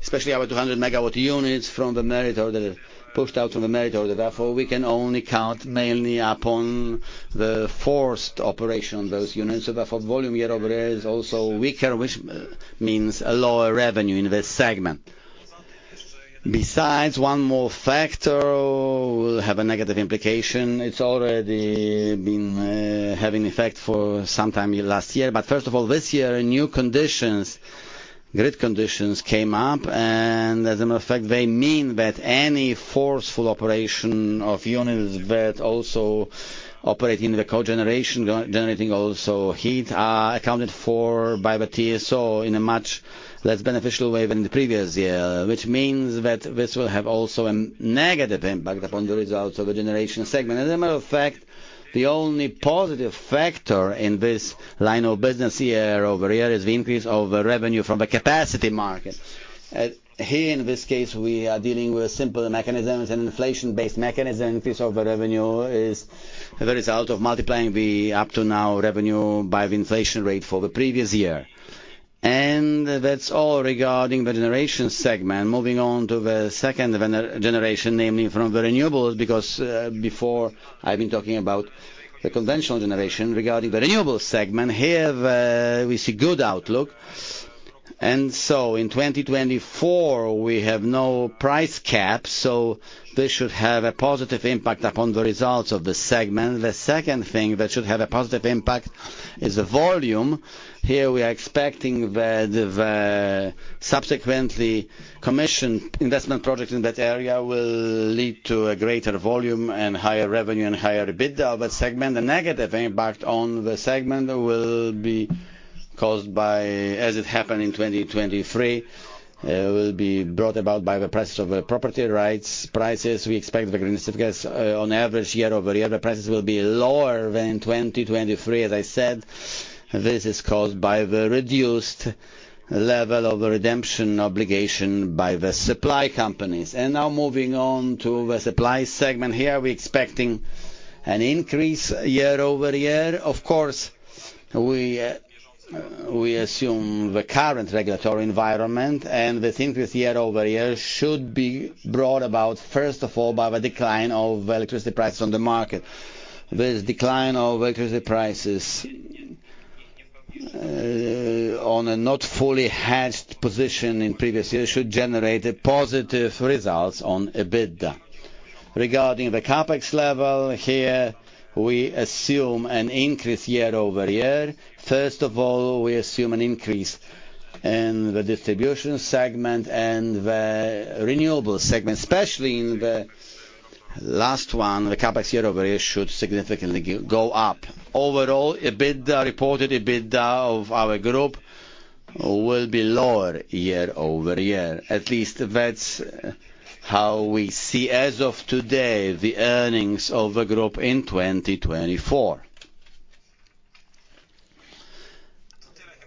especially our 200 MW units from the merit order that are pushed out from the merit order. Therefore we can only count mainly upon the forced operation on those units. So therefore volume year-over-year is also weaker which means a lower revenue in this segment. Besides, one more factor will have a negative implication. It's already been having effect for some time last year, but first of all this year new conditions, grid conditions came up and as a matter of fact they mean that any forceful operation of units that also operate in the co-generation, generating also heat are accounted for by the TSO in a much less beneficial way than the previous year which means that this will have also a negative impact upon the results of the generation segment. As a matter of fact the only positive factor in this line of business year-over-year is the increase of the revenue from the capacity market. Here in this case we are dealing with simple mechanisms, an inflation-based mechanism. Increase of the revenue is the result of multiplying the up to now revenue by the inflation rate for the previous year. That's all regarding the generation segment. Moving on to the second generation namely from the renewables because before I've been talking about the conventional generation. Regarding the renewable segment here we see good outlook and so in 2024 we have no price cap so this should have a positive impact upon the results of the segment. The second thing that should have a positive impact is the volume. Here we are expecting that the subsequently commissioned investment projects in that area will lead to a greater volume and higher revenue and higher EBITDA of that segment. The negative impact on the segment will be caused by as it happened in 2023 will be brought about by the prices of the property rights prices. We expect the green certificates on average year-over-year the prices will be lower than in 2023. As I said, this is caused by the reduced level of redemption obligation by the supply companies. Now moving on to the supply segment, here we're expecting an increase year-over-year. Of course we assume the current regulatory environment, and this increase year-over-year should be brought about first of all by the decline of electricity prices on the market. This decline of electricity prices on a not fully hedged position in previous years should generate a positive results on EBITDA. Regarding the CapEx level, here we assume an increase year-over-year. First of all we assume an increase in the distribution segment and the renewable segment, especially in the last one; the CapEx year-over-year should significantly go up. Overall EBITDA, reported EBITDA of our group will be lower year-over-year. At least that's how we see as of today the earnings of the group in 2024.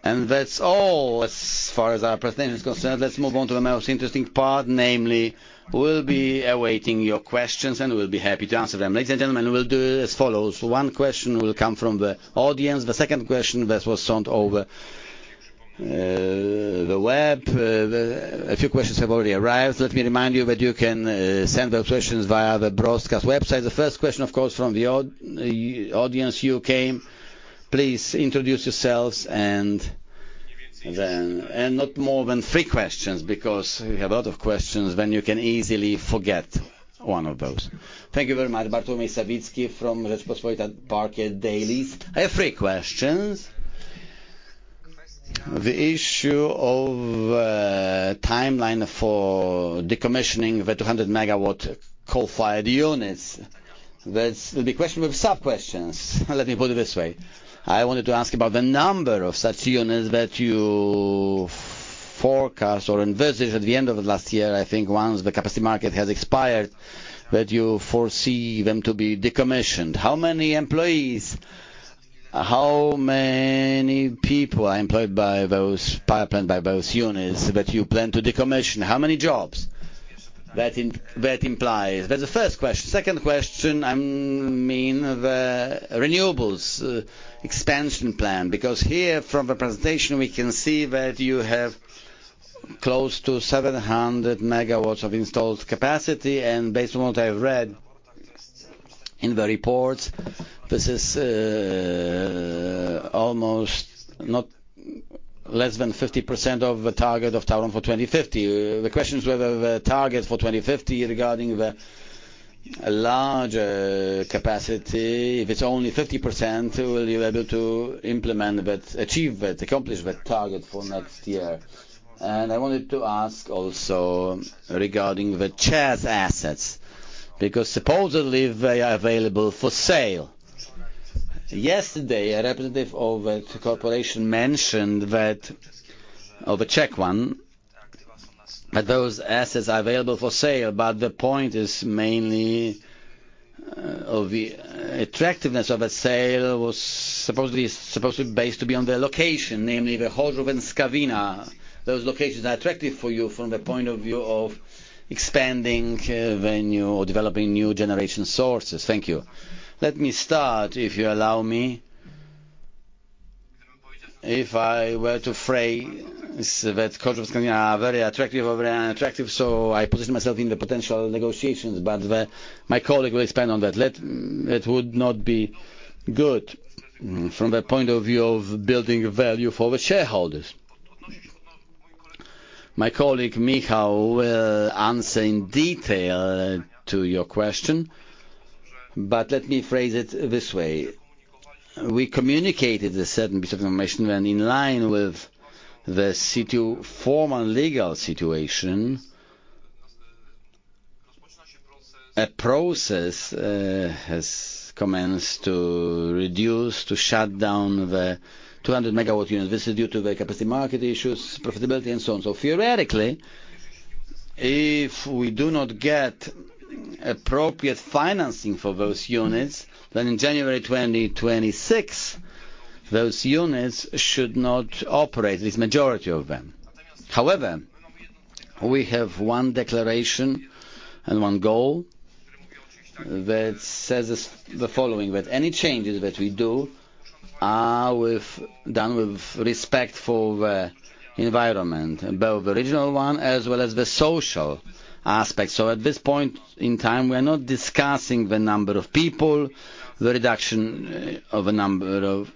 That's all as far as our presentation is concerned. Let's move on to the most interesting part, namely we'll be awaiting your questions and we'll be happy to answer them. Ladies and gentlemen, we'll do as follows. One question will come from the audience. The second question that was sent over the web, a few questions have already arrived. Let me remind you that you can send those questions via the webcast website. The first question of course from the audience. You came. Please introduce yourselves and then and not more than three questions because we have a lot of questions then you can easily forget one of those. Thank you very much. Bartłomiej Sawicki from Rzeczpospolita and Parkiet dailies. I have three questions. The issue of the timeline for decommissioning the 200 MW coal-fired units, that's the question with sub-questions. Let me put it this way. I wanted to ask about the number of such units that you forecast or envisage at the end of last year I think once the capacity market has expired that you foresee them to be decommissioned. How many employees, how many people are employed by those power plant, by those units that you plan to decommission? How many jobs that implies? That's the first question. Second question I mean the renewables expansion plan because here from the presentation we can see that you have close to 700 MW of installed capacity and based on what I've read in the reports this is almost not less than 50% of the target of TAURON for 2050. The question is whether the target for 2050 regarding the larger capacity if it's only 50% will you be able to implement that, achieve that, accomplish that target for next year. I wanted to ask also regarding the CEZ assets because supposedly they are available for sale. Yesterday a representative of the corporation mentioned that of the Czech one that those assets are available for sale but the point is mainly of the attractiveness of a sale was supposedly based to be on the location namely the Chorzów and Skawina. Those locations are attractive for you from the point of view of expanding venue or developing new generation sources. Thank you. Let me start if you allow me. If I were to phrase that Chorzów and Skawina are very attractive, very unattractive so I position myself in the potential negotiations but my colleague will expand on that. That would not be good from the point of view of building value for the shareholders. My colleague Michał will answer in detail to your question, but let me phrase it this way. We communicated a certain piece of information when, in line with the formal legal situation, a process has commenced to reduce, to shut down the 200 MW unit. This is due to the capacity market issues, profitability, and so on. So theoretically, if we do not get appropriate financing for those units, then in January 2026 those units should not operate, at least majority of them. However, we have one declaration and one goal that says the following: that any changes that we do are done with respect for the environment, both the regional one as well as the social aspect. At this point in time we are not discussing the number of people, the reduction of the number of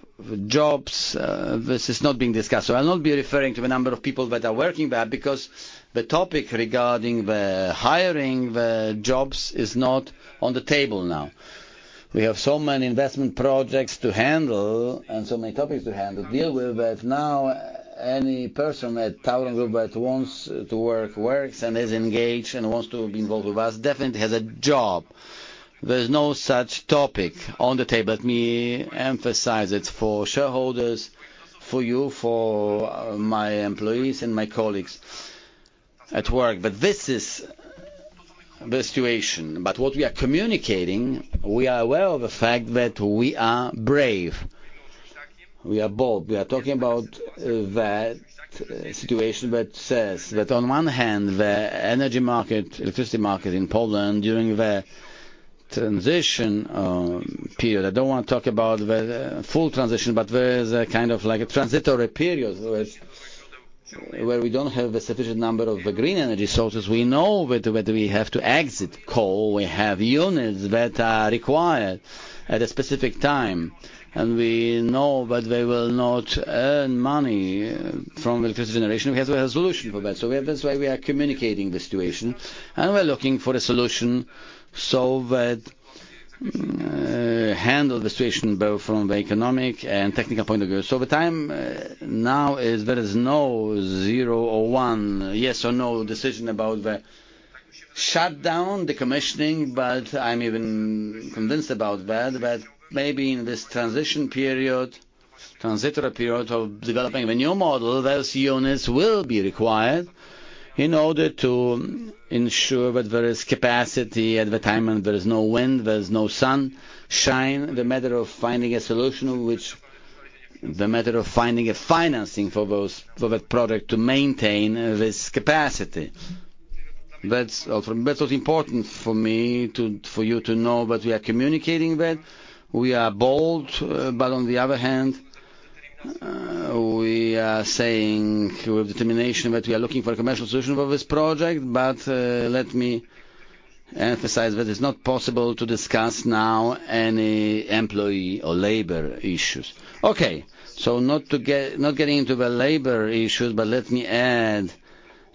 jobs. This is not being discussed. I'll not be referring to the number of people that are working there because the topic regarding the hiring, the jobs is not on the table now. We have so many investment projects to handle and so many topics to handle, deal with that now any person at TAURON Group that wants to work works and is engaged and wants to be involved with us definitely has a job. There's no such topic on the table. Let me emphasize it for shareholders, for you, for my employees and my colleagues at work. This is the situation. What we are communicating, we are aware of the fact that we are brave. We are bold. We are talking about that situation that says that on one hand the energy market, electricity market in Poland during the transition period. I don't want to talk about the full transition but there is a kind of like a transitory period where we don't have a sufficient number of green energy sources. We know that we have to exit coal. We have units that are required at a specific time and we know that they will not earn money from electricity generation. We have a solution for that. So this way we are communicating the situation and we're looking for a solution so that handle the situation both from the economic and technical point of view. So the time now is there is no 0 or 1, yes or no decision about the shutdown, decommissioning but I'm even convinced about that that maybe in this transition period, transitory period of developing the new model those units will be required in order to ensure that there is capacity at the time when there is no wind, there is no sunshine, the matter of finding a solution which the matter of finding a financing for that project to maintain this capacity. That's also important for me to for you to know that we are communicating that. We are bold but on the other hand we are saying with determination that we are looking for a commercial solution for this project but let me emphasize that it's not possible to discuss now any employee or labor issues. Okay. So, not getting into the labor issues, but let me add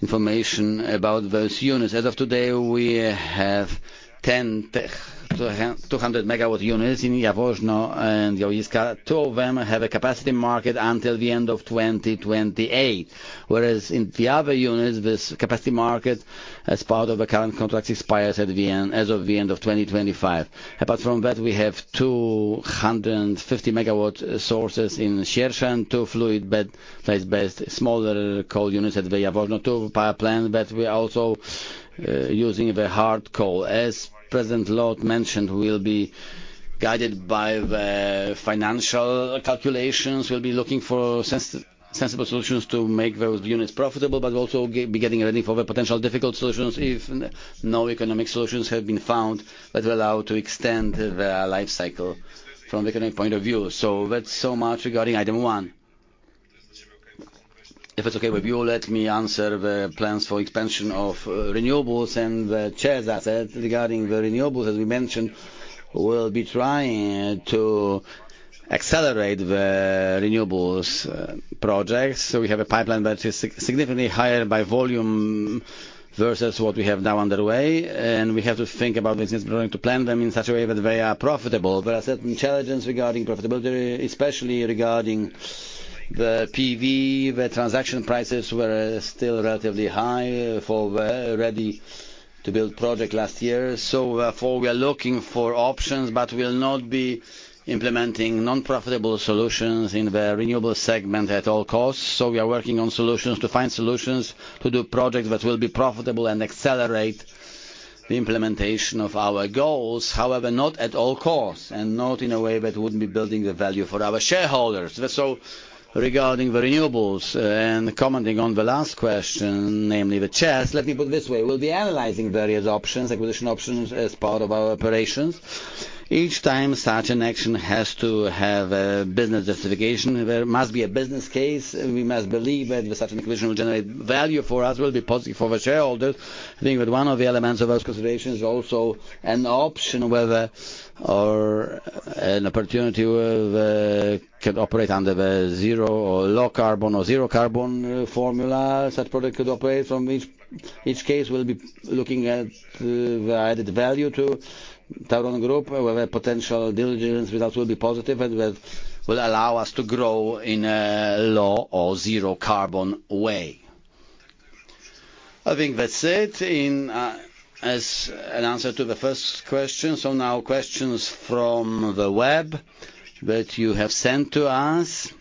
information about those units. As of today, we have 10 200-MW units in Jaworzno and Łagisza. Two of them have a capacity market until the end of 2028, whereas in the other units this capacity market as part of the current contracts expires at the end as of the end of 2025. Apart from that, we have 250-MW sources in Siersza, two fluidized bed place-based smaller coal units at Jaworzno, two power plants that we are also using the hard coal. As President Lot mentioned, we'll be guided by the financial calculations. We'll be looking for sensible solutions to make those units profitable but also be getting ready for the potential difficult solutions if no economic solutions have been found that will allow to extend the life cycle from the economic point of view. So that's so much regarding item one. If it's okay with you, let me answer the plans for expansion of renewables and the CEZ asset regarding the renewables as we mentioned we'll be trying to accelerate the renewables projects. So we have a pipeline that is significantly higher by volume versus what we have now underway and we have to think about business planning to plan them in such a way that they are profitable. There are certain challenges regarding profitability especially regarding the PV. The transaction prices were still relatively high for ready to build project last year. So therefore we are looking for options but we'll not be implementing non-profitable solutions in the renewable segment at all costs. So we are working on solutions to find solutions to do projects that will be profitable and accelerate the implementation of our goals. However, not at all costs and not in a way that wouldn't be building the value for our shareholders. So regarding the renewables and commenting on the last question namely the CEZ, let me put it this way. We'll be analyzing various options, acquisition options as part of our operations. Each time such an action has to have a business justification. There must be a business case. We must believe that such an acquisition will generate value for us, will be positive for the shareholders. I think that one of the elements of those considerations is also an option whether or an opportunity can operate under the zero or low carbon or zero carbon formula such product could operate. From each case we'll be looking at the added value to TAURON Group whether potential diligence results will be positive and that will allow us to grow in a low or zero carbon way. I think that's it as an answer to the first question. So now questions from the web that you have sent to us.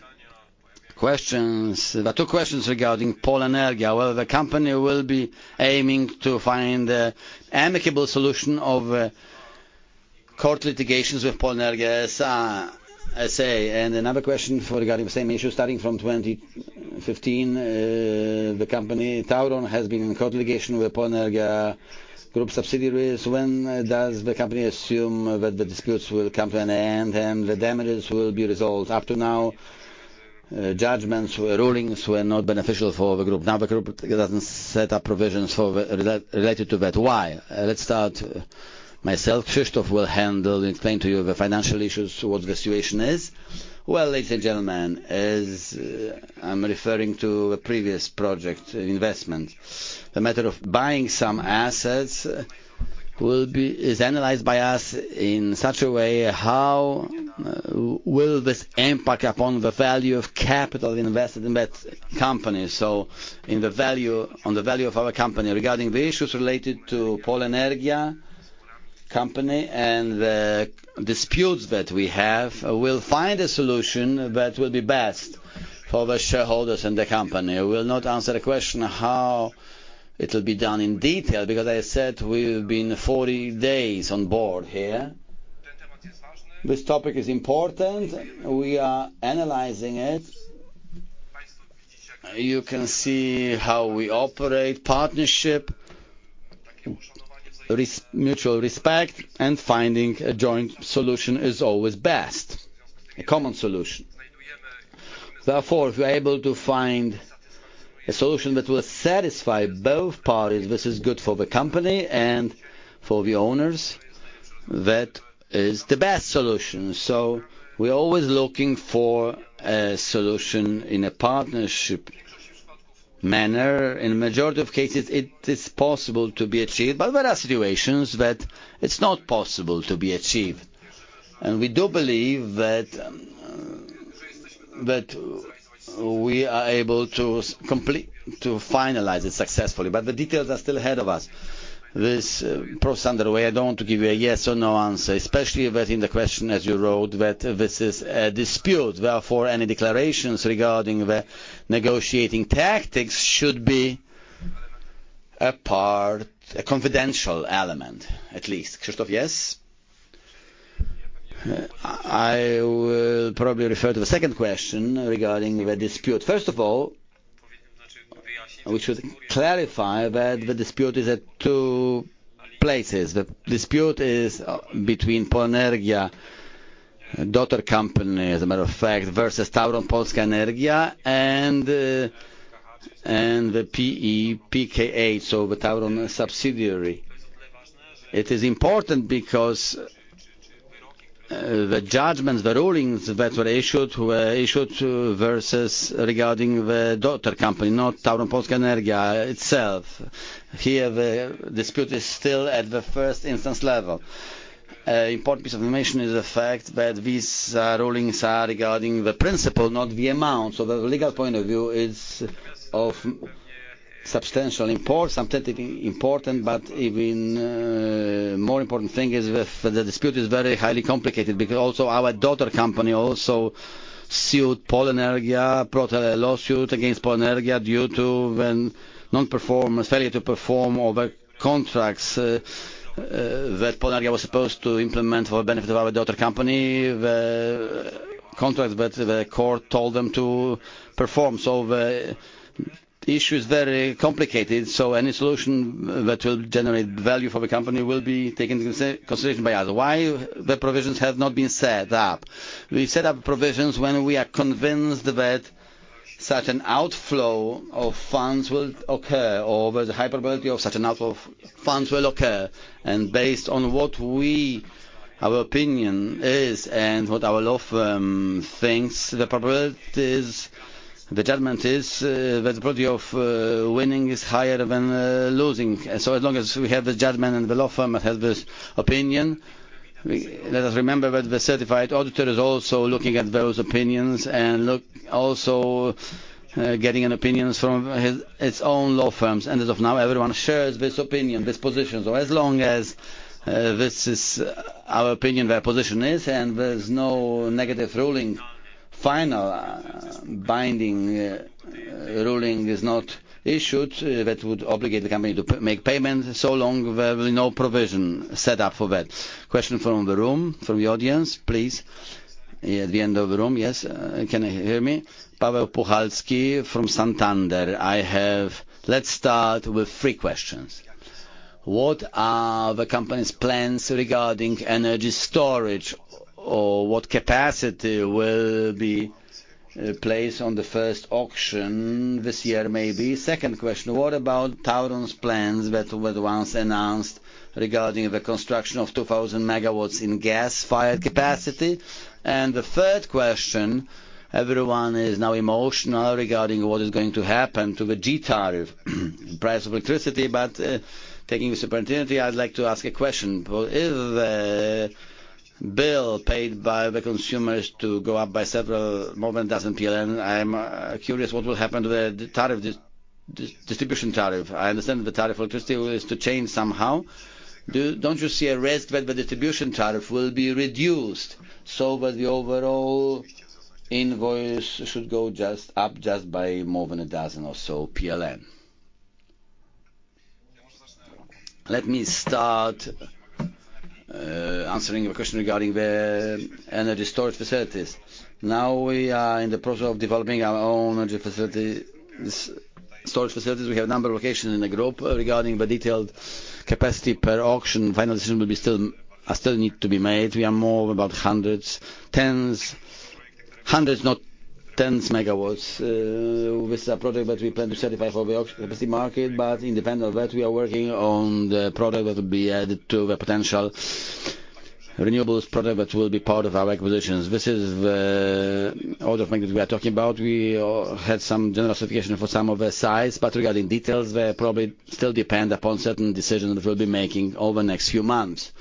Questions, two questions regarding Polenergia. Whether the company will be aiming to find the amicable solution of court litigations with Polenergia S.A. and another question regarding the same issue starting from 2015. The company TAURON has been in court litigation with Polenergia Group subsidiaries. When does the company assume that the disputes will come to an end and the damages will be resolved? Up to now judgments, rulings were not beneficial for the group. Now the group doesn't set up provisions related to that. Why? Let's start myself. Krzysztof will handle and explain to you the financial issues, what the situation is. Well, ladies and gentlemen as I'm referring to a previous project investment, the matter of buying some assets will be is analyzed by us in such a way how will this impact upon the value of capital invested in that company. So in the value on the value of our company regarding the issues related to Polenergia company and the disputes that we have will find a solution that will be best for the shareholders and the company. I will not answer a question how it will be done in detail because I said we've been 40 days on board here. This topic is important. We are analyzing it. You can see how we operate. Partnership, mutual respect and finding a joint solution is always best, a common solution. Therefore if we're able to find a solution that will satisfy both parties this is good for the company and for the owners that is the best solution. So we're always looking for a solution in a partnership manner. In the majority of cases it is possible to be achieved but there are situations that it's not possible to be achieved. And we do believe that we are able to finalize it successfully but the details are still ahead of us. This process underway, I don't want to give you a yes or no answer especially that in the question as you wrote that this is a dispute. Therefore any declarations regarding the negotiating tactics should be a part, a confidential element at least. Krzysztof, yes? I will probably refer to the second question regarding the dispute. First of all which would clarify that the dispute is at two places. The dispute is between Polenergia daughter company as a matter of fact versus TAURON Polska Energia and the PKE so the TAURON subsidiary. It is important because the judgments, the rulings that were issued were issued versus regarding the daughter company, not TAURON Polska Energia itself. Here the dispute is still at the first instance level. An important piece of information is the fact that these rulings are regarding the principle not the amount. So the legal point of view is of substantial import, substantively important, but even more important thing is that the dispute is very highly complicated because also our daughter company also sued Polenergia, brought a lawsuit against Polenergia due to non-performance, failure to perform over contracts that Polenergia was supposed to implement for the benefit of our daughter company. The contracts that the court told them to perform. So the issue is very complicated. So any solution that will generate value for the company will be taken into consideration by us. Why the provisions have not been set up? We set up provisions when we are convinced that such an outflow of funds will occur or the high probability of such an outflow of funds will occur. Based on what our opinion is and what our law firm thinks the probability is, the judgment is that the probability of winning is higher than losing. So as long as we have the judgment and the law firm that has this opinion, let us remember that the certified auditor is also looking at those opinions and also getting an opinion from its own law firms. And as of now everyone shares this opinion, this position. So as long as this is our opinion, their position is and there's no negative ruling, final binding ruling is not issued that would obligate the company to make payments, so long there will be no provision set up for that. Question from the room, from the audience please. At the end of the room, yes? Can you hear me? Paweł Puchalski from Santander. I have, let's start with three questions. What are the company's plans regarding energy storage or what capacity will be placed on the first auction this year maybe? Second question. What about TAURON's plans that were once announced regarding the construction of 2,000 MW in gas-fired capacity? And the third question, everyone is now emotional regarding what is going to happen to the G tariff, price of electricity but taking precedence I'd like to ask a question. If the bill paid by the consumers to go up by several more than a dozen PLN I'm curious what will happen to the tariff, distribution tariff. I understand the tariff electricity is to change somehow. Don't you see a risk that the distribution tariff will be reduced so that the overall invoice should go just up just by more than a dozen or so PLN? Let me start answering a question regarding the energy storage facilities. Now we are in the process of developing our own energy facilities, storage facilities. We have a number of locations in the group regarding the detailed capacity per auction. Final decision will still need to be made. We are more about hundreds, tens, hundreds not tens megawatts. This is a project that we plan to certify for the capacity market but independent of that we are working on the product that will be added to the potential renewables product that will be part of our acquisitions. This is the order of magnitude we are talking about. We had some general certification for some of the size but regarding details they probably still depend upon certain decisions that we'll be making over the next few months.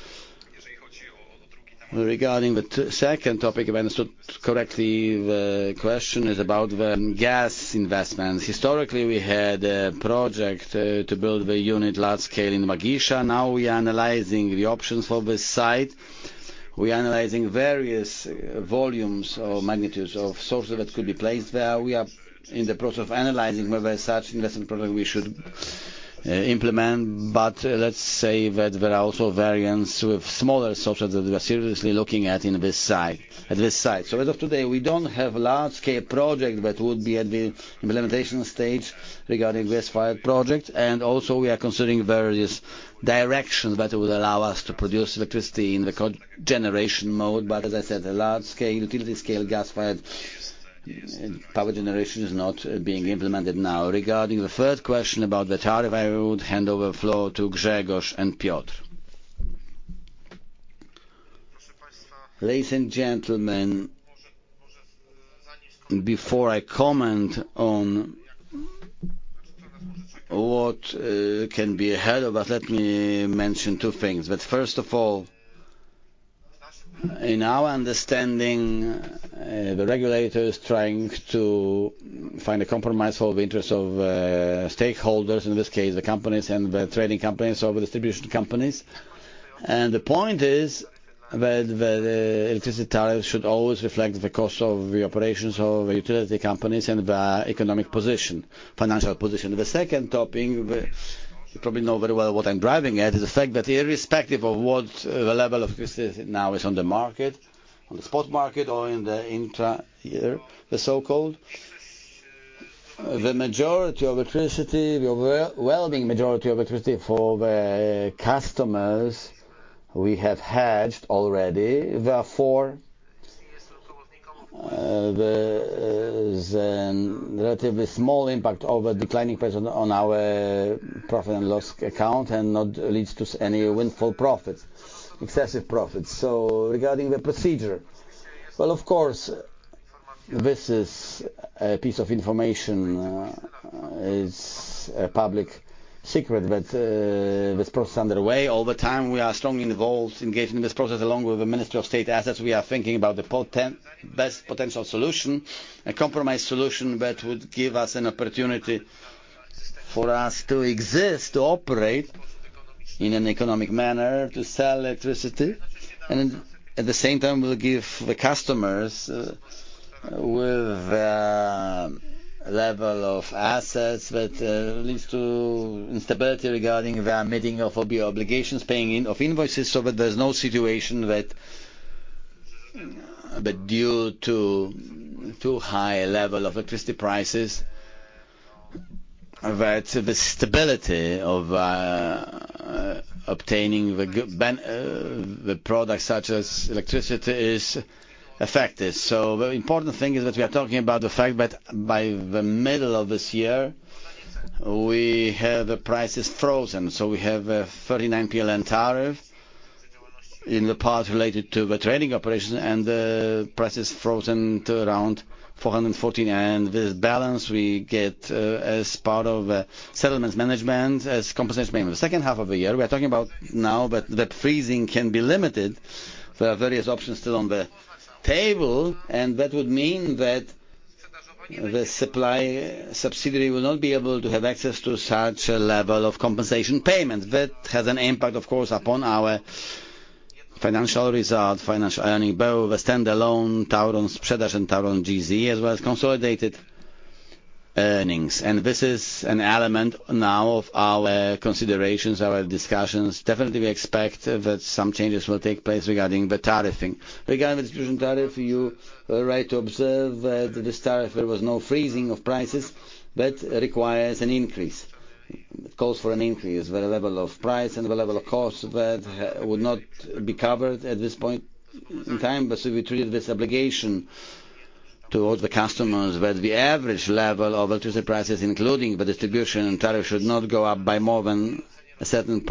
Regarding the second topic if I understood correctly the question is about the gas investments. Historically we had a project to build a large-scale unit in Łagisza. Now we are analyzing the options for this site. We are analyzing various volumes or magnitudes of sources that could be placed there. We are in the process of analyzing whether such investment project we should implement but let's say that there are also variants with smaller sources that we are seriously looking at in this site, at this site. So as of today we don't have large-scale project that would be at the implementation stage regarding gas-fired project and also we are considering various directions that would allow us to produce electricity in the cogeneration mode but as I said a large-scale, utility-scale gas-fired power generation is not being implemented now. Regarding the third question about the tariff, I would hand over the floor to Grzegorz and Piotr. Proszę państwa, ladies and gentlemen, before I comment on what can be ahead of us, let me mention two things. First of all, in our understanding, the regulator is trying to find a compromise for the interests of stakeholders—in this case, the companies and the trading companies or the distribution companies. The point is that the electricity tariff should always reflect the cost of the operations of the utility companies and their economic position, financial position. The second topic you probably know very well what I'm driving at is the fact that irrespective of what the level of electricity now is on the market, on the spot market or in the intra year the so-called, the majority of electricity, the overwhelming majority of electricity for the customers we have hedged already therefore there's a relatively small impact over declining price on our profit and loss account and not leads to any windfall profits, excessive profits. So regarding the procedure well of course this is a piece of information is a public secret but this process underway. All the time we are strongly involved, engaged in this process along with the Ministry of State Assets. We are thinking about the best potential solution, a compromise solution that would give us an opportunity for us to exist, to operate in an economic manner, to sell electricity and at the same time will give the customers with the level of assets that leads to instability regarding their meeting of obligations, paying in of invoices. So that there's no situation that due to too high level of electricity prices that the stability of obtaining the products such as electricity is affected. So the important thing is that we are talking about the fact that by the middle of this year we have the prices frozen. So we have a 39 PLN tariff in the part related to the trading operations and the price is frozen to around 414 PLN. And this balance we get as part of settlements management, as compensation payment. The second half of the year we are talking about now that freezing can be limited. There are various options still on the table and that would mean that the supply subsidiary will not be able to have access to such a level of compensation payments. That has an impact of course upon our financial result, financial earnings. Both the standalone TAURON Sprzedaż and TAURON GZE as well as consolidated earnings. This is an element now of our considerations, our discussions. Definitely we expect that some changes will take place regarding the tariffing. Regarding the distribution tariff, you are right to observe that this tariff there was no freezing of prices but requires an increase, calls for an increase of the level of price and the level of cost that would not be covered at this point in time. But should we treat it with obligation towards the customers that the average level of electricity prices including the distribution tariff should not go up by more than a certain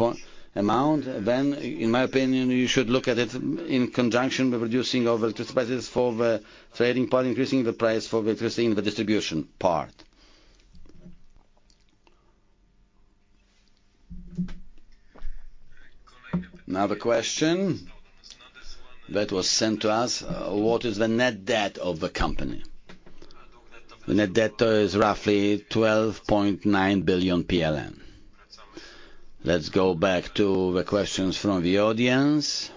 amount, then in my opinion you should look at it in conjunction with reducing of electricity prices for the trading part, increasing the price for electricity in the distribution part. Another question that was sent to us. What is the net debt of the company? The net debt is roughly 12.9 billion PLN. Let's go back to the questions from the audience.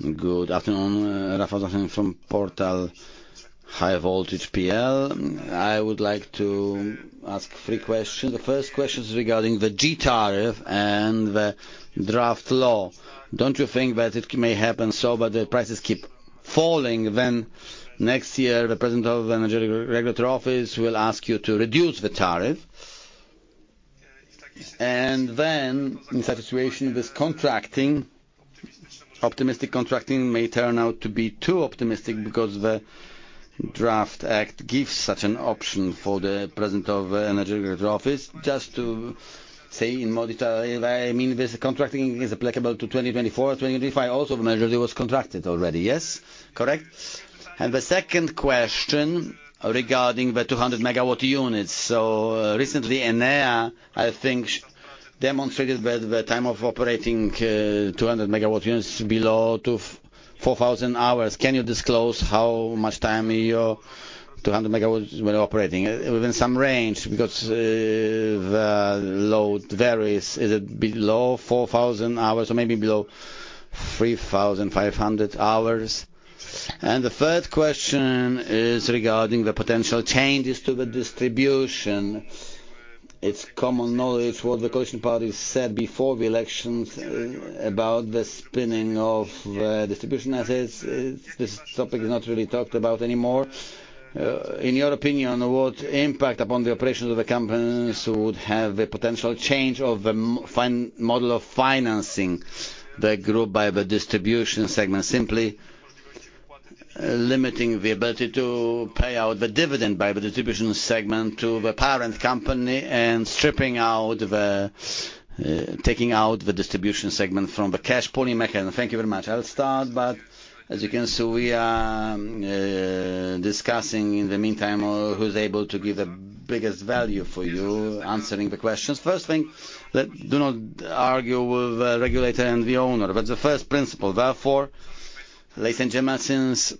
Good afternoon, Rafał Zasuń from portal WysokieNapiecie.pl. I would like to ask three questions. The first question is regarding the G tariff and the draft law. Don't you think that it may happen so but the prices keep falling then next year the president of the Energy Regulatory Office will ask you to reduce the tariff and then in such a situation this contracting, optimistic contracting may turn out to be too optimistic because the draft act gives such an option for the president of the Energy Regulatory Office just to say in modify I mean this contracting is applicable to 2024, 2025 also the measure it was contracted already. Yes? Correct? And the second question regarding the 200 MW units. So recently Enea I think demonstrated that the time of operating 200 MW units below 4,000 hours. Can you disclose how much time your 200 MW were operating? Within some range because the load varies. Is it below 4,000 hours or maybe below 3,500 hours? And the third question is regarding the potential changes to the distribution. It's common knowledge what the coalition parties said before the elections about the spinning off of the distribution assets. This topic is not really talked about anymore. In your opinion what impact upon the operations of the companies would have the potential change of the model of financing the group by the distribution segment simply limiting the ability to pay out the dividend by the distribution segment to the parent company and stripping out the, taking out the distribution segment from the cash pooling mechanism? Thank you very much. I'll start but as you can see we are discussing in the meantime who's able to give the biggest value for you answering the questions. First thing: do not argue with the regulator and the owner. But the first principle, therefore, ladies and gentlemen, since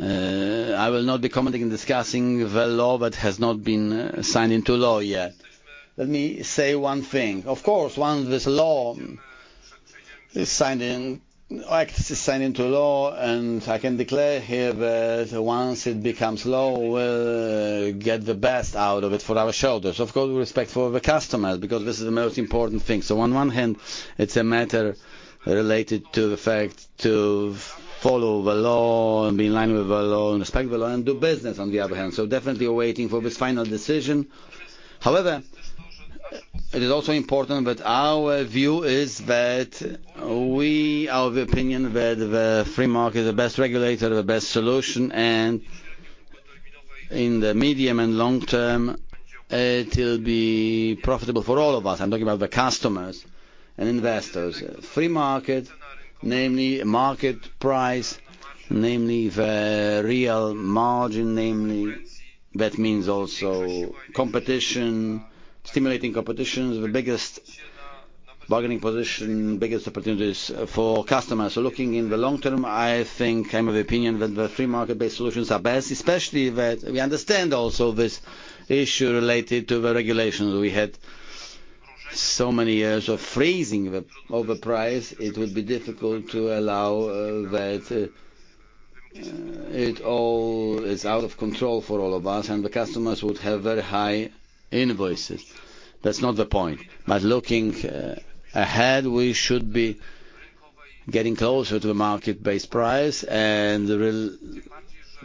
I will not be commenting and discussing the law but has not been signed into law yet. Let me say one thing. Of course once this law is signed in, act is signed into law and I can declare here that once it becomes law we'll get the best out of it for our shareholders. Of course with respect for the customers because this is the most important thing. So on one hand it's a matter related to the fact to follow the law and be in line with the law and respect the law and do business on the other hand. So definitely waiting for this final decision. However, it is also important that our view is that we, our opinion that the free market is the best regulator, the best solution and in the medium and long term it will be profitable for all of us. I'm talking about the customers and investors. Free market namely market price, namely the real margin, namely that means also competition, stimulating competitions, the biggest bargaining position, biggest opportunities for customers. So looking in the long term I think I'm of the opinion that the free market based solutions are best especially that we understand also this issue related to the regulations. We had so many years of freezing of the price it would be difficult to allow that it all is out of control for all of us and the customers would have very high invoices. That's not the point, but looking ahead, we should be getting closer to the market-based price and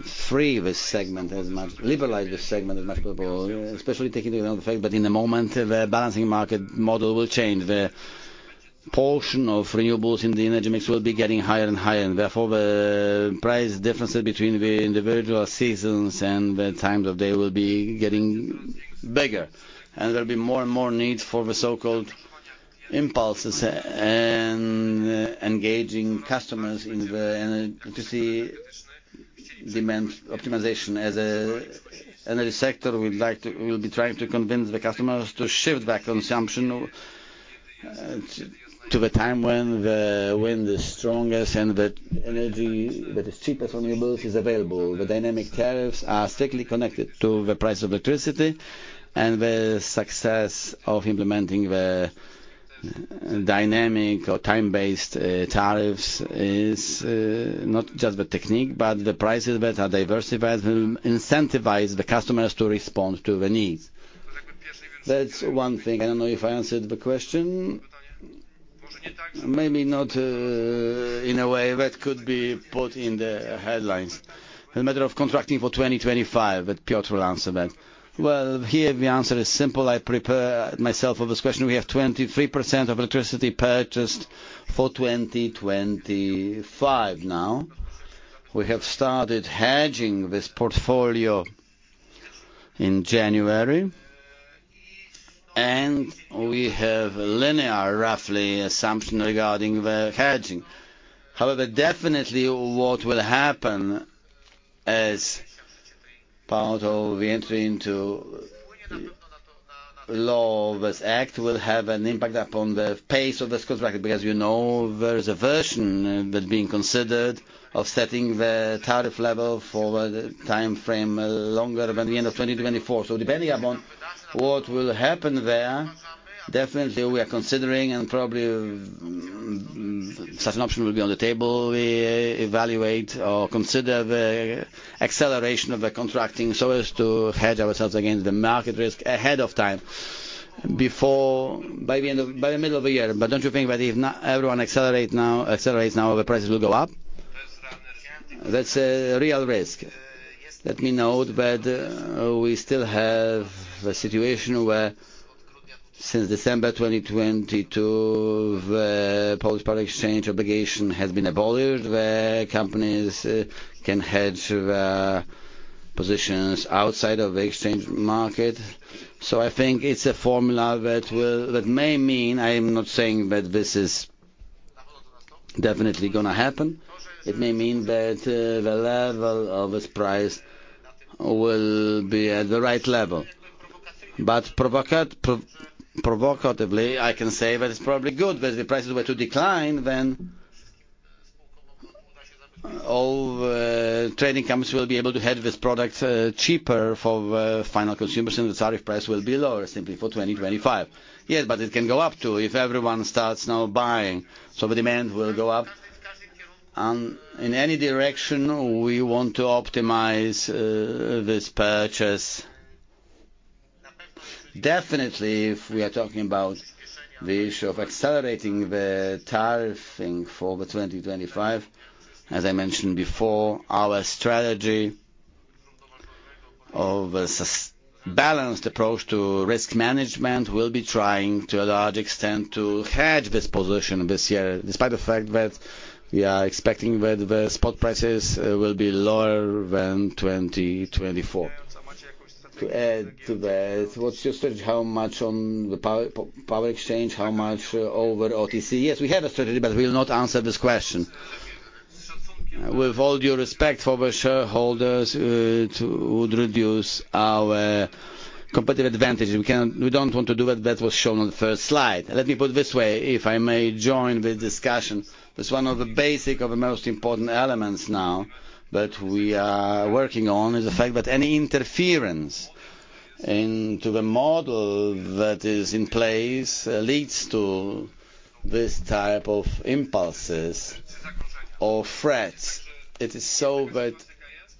free this segment as much, liberalize this segment as much as possible, especially taking into account the fact that at the moment the balancing market model will change. The portion of renewables in the energy mix will be getting higher and higher, and therefore the price differences between the individual seasons and the times of day will be getting bigger, and there'll be more and more need for the so-called impulses and engaging customers in the energy demand optimization. As an energy sector, we'd like to, we'll be trying to convince the customers to shift that consumption to the time when the wind is strongest and the energy that is cheapest renewables is available. The dynamic tariffs are strictly connected to the price of electricity and the success of implementing the dynamic or time based tariffs is not just the technique but the prices that are diversified will incentivize the customers to respond to the needs. That's one thing. I don't know if I answered the question. Maybe not in a way that could be put in the headlines. The matter of contracting for 2025 that Piotr will answer that. Well here the answer is simple. I prepared myself for this question. We have 23% of electricity purchased for 2025 now. We have started hedging this portfolio in January and we have a linear roughly assumption regarding the hedging. However, definitely what will happen as part of the entry into law of this act will have an impact upon the pace of this contract because, you know, there's a version that being considered of setting the tariff level for the time frame longer than the end of 2024. So, depending upon what will happen there, definitely we are considering and probably such an option will be on the table. We evaluate or consider the acceleration of the contracting so as to hedge ourselves against the market risk ahead of time before, by the end of, by the middle of the year. But don't you think that if everyone accelerates now, accelerates now the prices will go up? That's a real risk. Let me note that we still have a situation where since December 2022 the Polish public service obligation has been abolished. The companies can hedge their positions outside of the exchange market. So I think it's a formula that will, that may mean I am not saying that this is definitely gonna happen. It may mean that the level of its price will be at the right level. But provocatively I can say that it's probably good. But if the prices were to decline then all the trading companies will be able to hedge this product cheaper for final consumers and the tariff price will be lower simply for 2025. Yes but it can go up too if everyone starts now buying. So the demand will go up in any direction we want to optimize this purchase. Definitely, if we are talking about the issue of accelerating the tariffing for 2025, as I mentioned before, our strategy of a balanced approach to risk management will be trying to a large extent to hedge this position this year despite the fact that we are expecting that the spot prices will be lower than 2024. To add to that, what's your strategy? How much on the power exchange, how much over OTC? Yes, we have a strategy, but we will not answer this question. With all due respect for the shareholders who would reduce our competitive advantage. We can't, we don't want to do that. That was shown on the first slide. Let me put it this way if I may join the discussion. This is one of the basic of the most important elements now that we are working on is the fact that any interference into the model that is in place leads to this type of impulses or threats. It is so that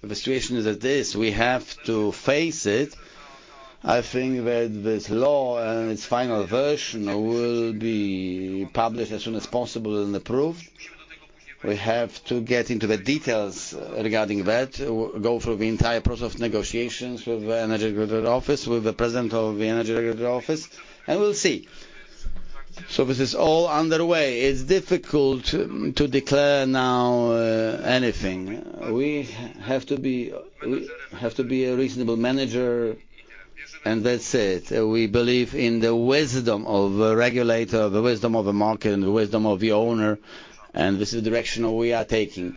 the situation is at this. We have to face it. I think that this law and its final version will be published as soon as possible and approved. We have to get into the details regarding that, go through the entire process of negotiations with the Energy Regulatory Office, with the president of the Energy Regulatory Office and we'll see. So this is all underway. It's difficult to declare now anything. We have to be, we have to be a reasonable manager and that's it. We believe in the wisdom of the regulator, the wisdom of the market and the wisdom of the owner and this is the direction we are taking,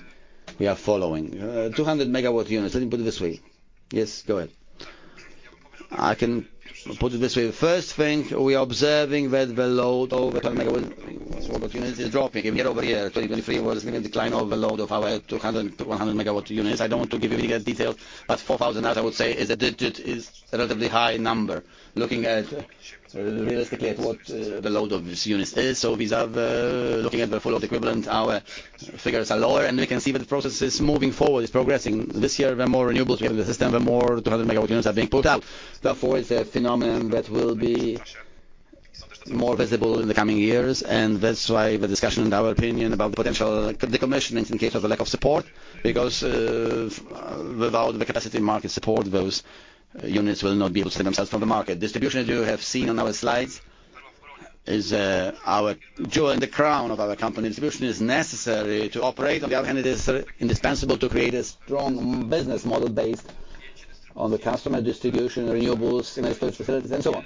we are following. 200 MW units. Let me put it this way. Yes go ahead. I can put it this way. First thing we are observing that the load over 200 MW units is dropping. If year-over-year 2023 was giving a decline over the load of our 200, 100 MW units I don't want to give you any details but 4,000 hours I would say is a relatively high number looking at realistically at what the load of this unit is. So vis-a-vis looking at the full of the equivalent our figures are lower and we can see that the process is moving forward, is progressing. This year, the more renewables we have in the system, the more 200 MW units are being pulled out. Therefore, it's a phenomenon that will be more visible in the coming years, and that's why the discussion and our opinion about the potential decommissioning in case of the lack of support, because without the Capacity Market support those units will not be able to save themselves from the market. Distribution, as you have seen on our slides, is our jewel and the crown of our company. Distribution is necessary to operate. On the other hand, it is indispensable to create a strong business model based on the customer distribution, renewables, energy storage facilities, and so on.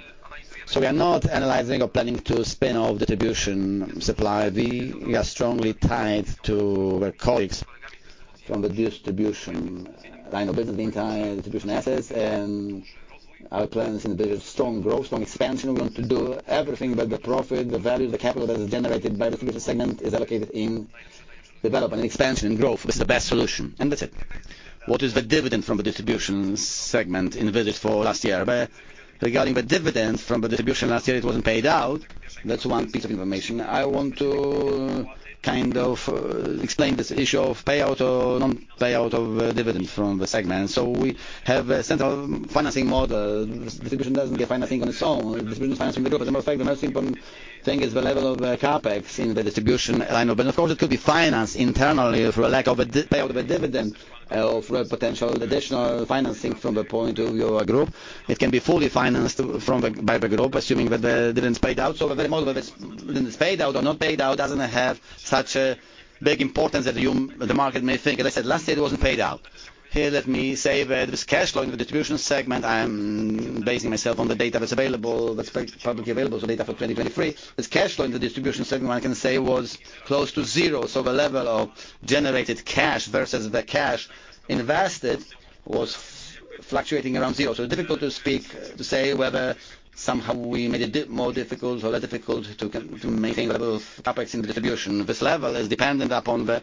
So, we are not analyzing or planning to spin off distribution supply. We are strongly tied to our colleagues from the distribution line of business, the entire distribution assets, and our plans in the vision is strong growth, strong expansion. We want to do everything, but the profit, the value, the capital that is generated by the distribution segment is allocated in development and expansion and growth. This is the best solution and that's it. What is the dividend from the distribution segment in visit for last year? Regarding the dividend from the distribution last year, it wasn't paid out. That's one piece of information. I want to kind of explain this issue of payout or non-payout of dividend from the segment. So we have a central financing model. Distribution doesn't get financing on its own. Distribution is financing the group. As a matter of fact, the most important thing is the level of the CapEx in the distribution line of business. Of course it could be financed internally through a lack of a payout of a dividend or through a potential additional financing from the point of view of a group. It can be fully financed from the, by the group assuming that the dividend's paid out. So the very model that's didn't it's paid out or not paid out doesn't have such a big importance that you, the market, may think. As I said, last year it wasn't paid out. Here, let me say that this cash flow in the distribution segment, I am basing myself on the data that's available, that's publicly available. So data for 2023. This cash flow in the distribution segment, one can say, was close to zero. So the level of generated cash versus the cash invested was fluctuating around zero. So it's difficult to speak, to say whether somehow we made it more difficult or less difficult to maintain, to maintain the level of CapEx in the distribution. This level is dependent upon the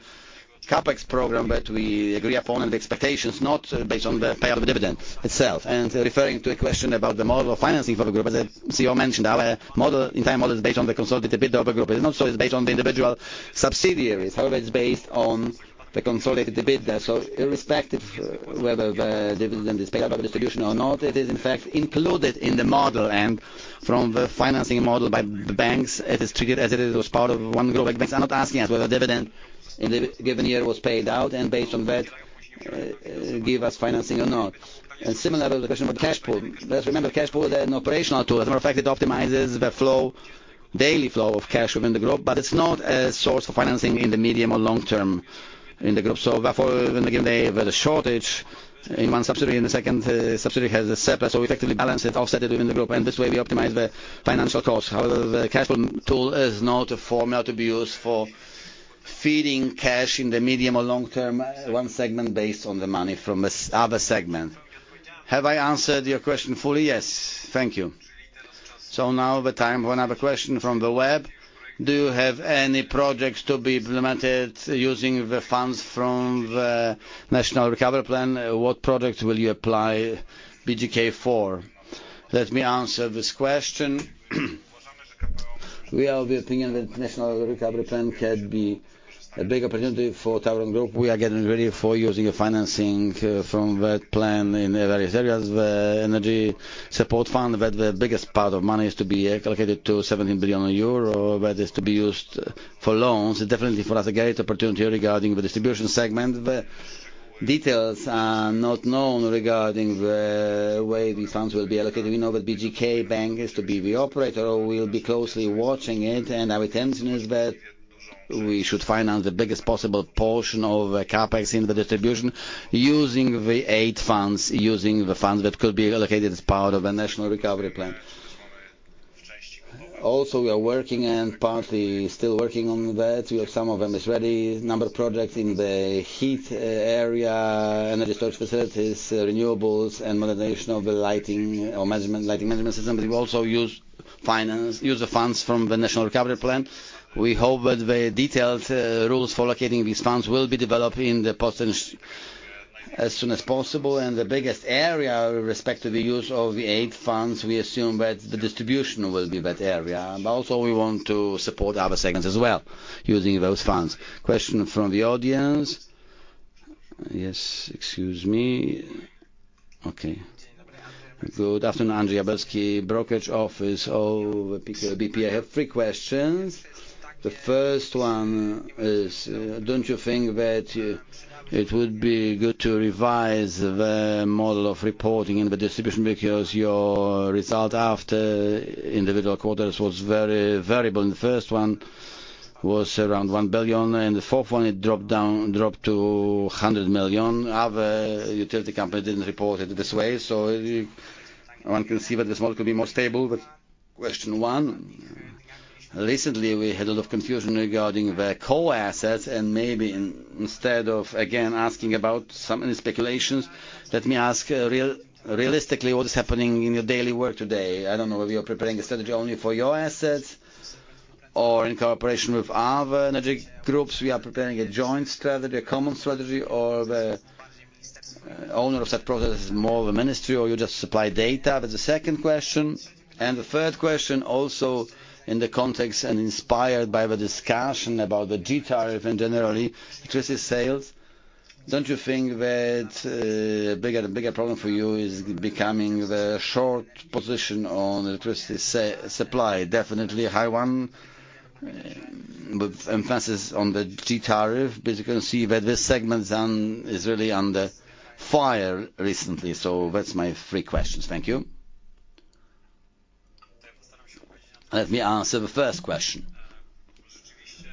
CapEx program that we agree upon and the expectations not based on the payout of a dividend itself. And referring to a question about the model of financing for the group as the CEO mentioned our model entire model is based on the consolidated bidder of the group. It's not so it's based on the individual subsidiaries. However it's based on the consolidated bidder. So irrespective whether the dividend is paid out by the distribution or not it is in fact included in the model and from the financing model by the banks it is treated as it is as part of one group. Like, banks are not asking us whether dividend in the given year was paid out and based on that give us financing or not. Similar to the question about the cash pool. Let's remember cash pool is an operational tool. As a matter of fact, it optimizes the flow, daily flow of cash within the group, but it's not a source for financing in the medium or long term in the group. Therefore, when the given day there's a shortage in one subsidiary and the second subsidiary has a surplus, so we effectively balance it, offset it within the group and this way we optimize the financial costs. However, the cash pool tool is not a formula to be used for feeding cash in the medium or long term one segment based on the money from this other segment. Have I answered your question fully? Yes. Thank you. What project will you apply BGK for? Let me answer this question. We are of the opinion that National Recovery Plan can be a big opportunity for TAURON Group. We are getting ready for using a financing. Do you have any projects to be implemented using the funds from the National Recovery Plan? from that plan in various areas. The energy support fund that the biggest part of money is to be allocated to 17 billion euro that is to be used for loans. Definitely for us a great opportunity regarding the distribution segment. The details are not known regarding the way these funds will be allocated. We know that BGK Bank is to be the operator. We'll be closely watching it, and our intention is that we should finance the biggest possible portion of the CapEx in the distribution using the aid funds, using the funds that could be allocated as part of a National Recovery Plan. Also we are working and partly still working on that. We have some of them is ready. Number of projects in the heat area, energy storage facilities, renewables and modernization of the lighting or management, lighting management systems. We also use finance, use the funds from the National Recovery Plan. We hope that the detailed rules for allocating these funds will be developed in the post as soon as possible and the biggest area with respect to the use of the aid funds we assume that the distribution will be that area. But also we want to support other segments as well using those funds. Question from the audience. Yes, excuse me. Okay. Good afternoon, Andrzej Kubacki, brokerage office of BPS. I have three questions. The first one is, don't you think that it would be good to revise the model of reporting in the distribution because your result after individual quarters was very variable. The first one was around 1 billion and the fourth one it dropped down, dropped to 100 million. Other utility companies didn't report it this way so one can see that this model could be more stable. But question one. Recently we had a lot of confusion regarding the core assets and maybe instead of again asking about some speculations let me ask realistically what is happening in your daily work today. I don't know whether you're preparing a strategy only for your assets or in cooperation with other energy groups. We are preparing a joint strategy, a common strategy, or the owner of that process is more of a ministry, or you just supply data. That's the second question. And the third question also in the context and inspired by the discussion about the G Tariff and generally electricity sales. Don't you think that a bigger, bigger problem for you is becoming the short position on electricity supply? Definitely a high one with emphasis on the G Tariff because you can see that this segment is really under fire recently. So that's my three questions. Thank you. Let me answer the first question.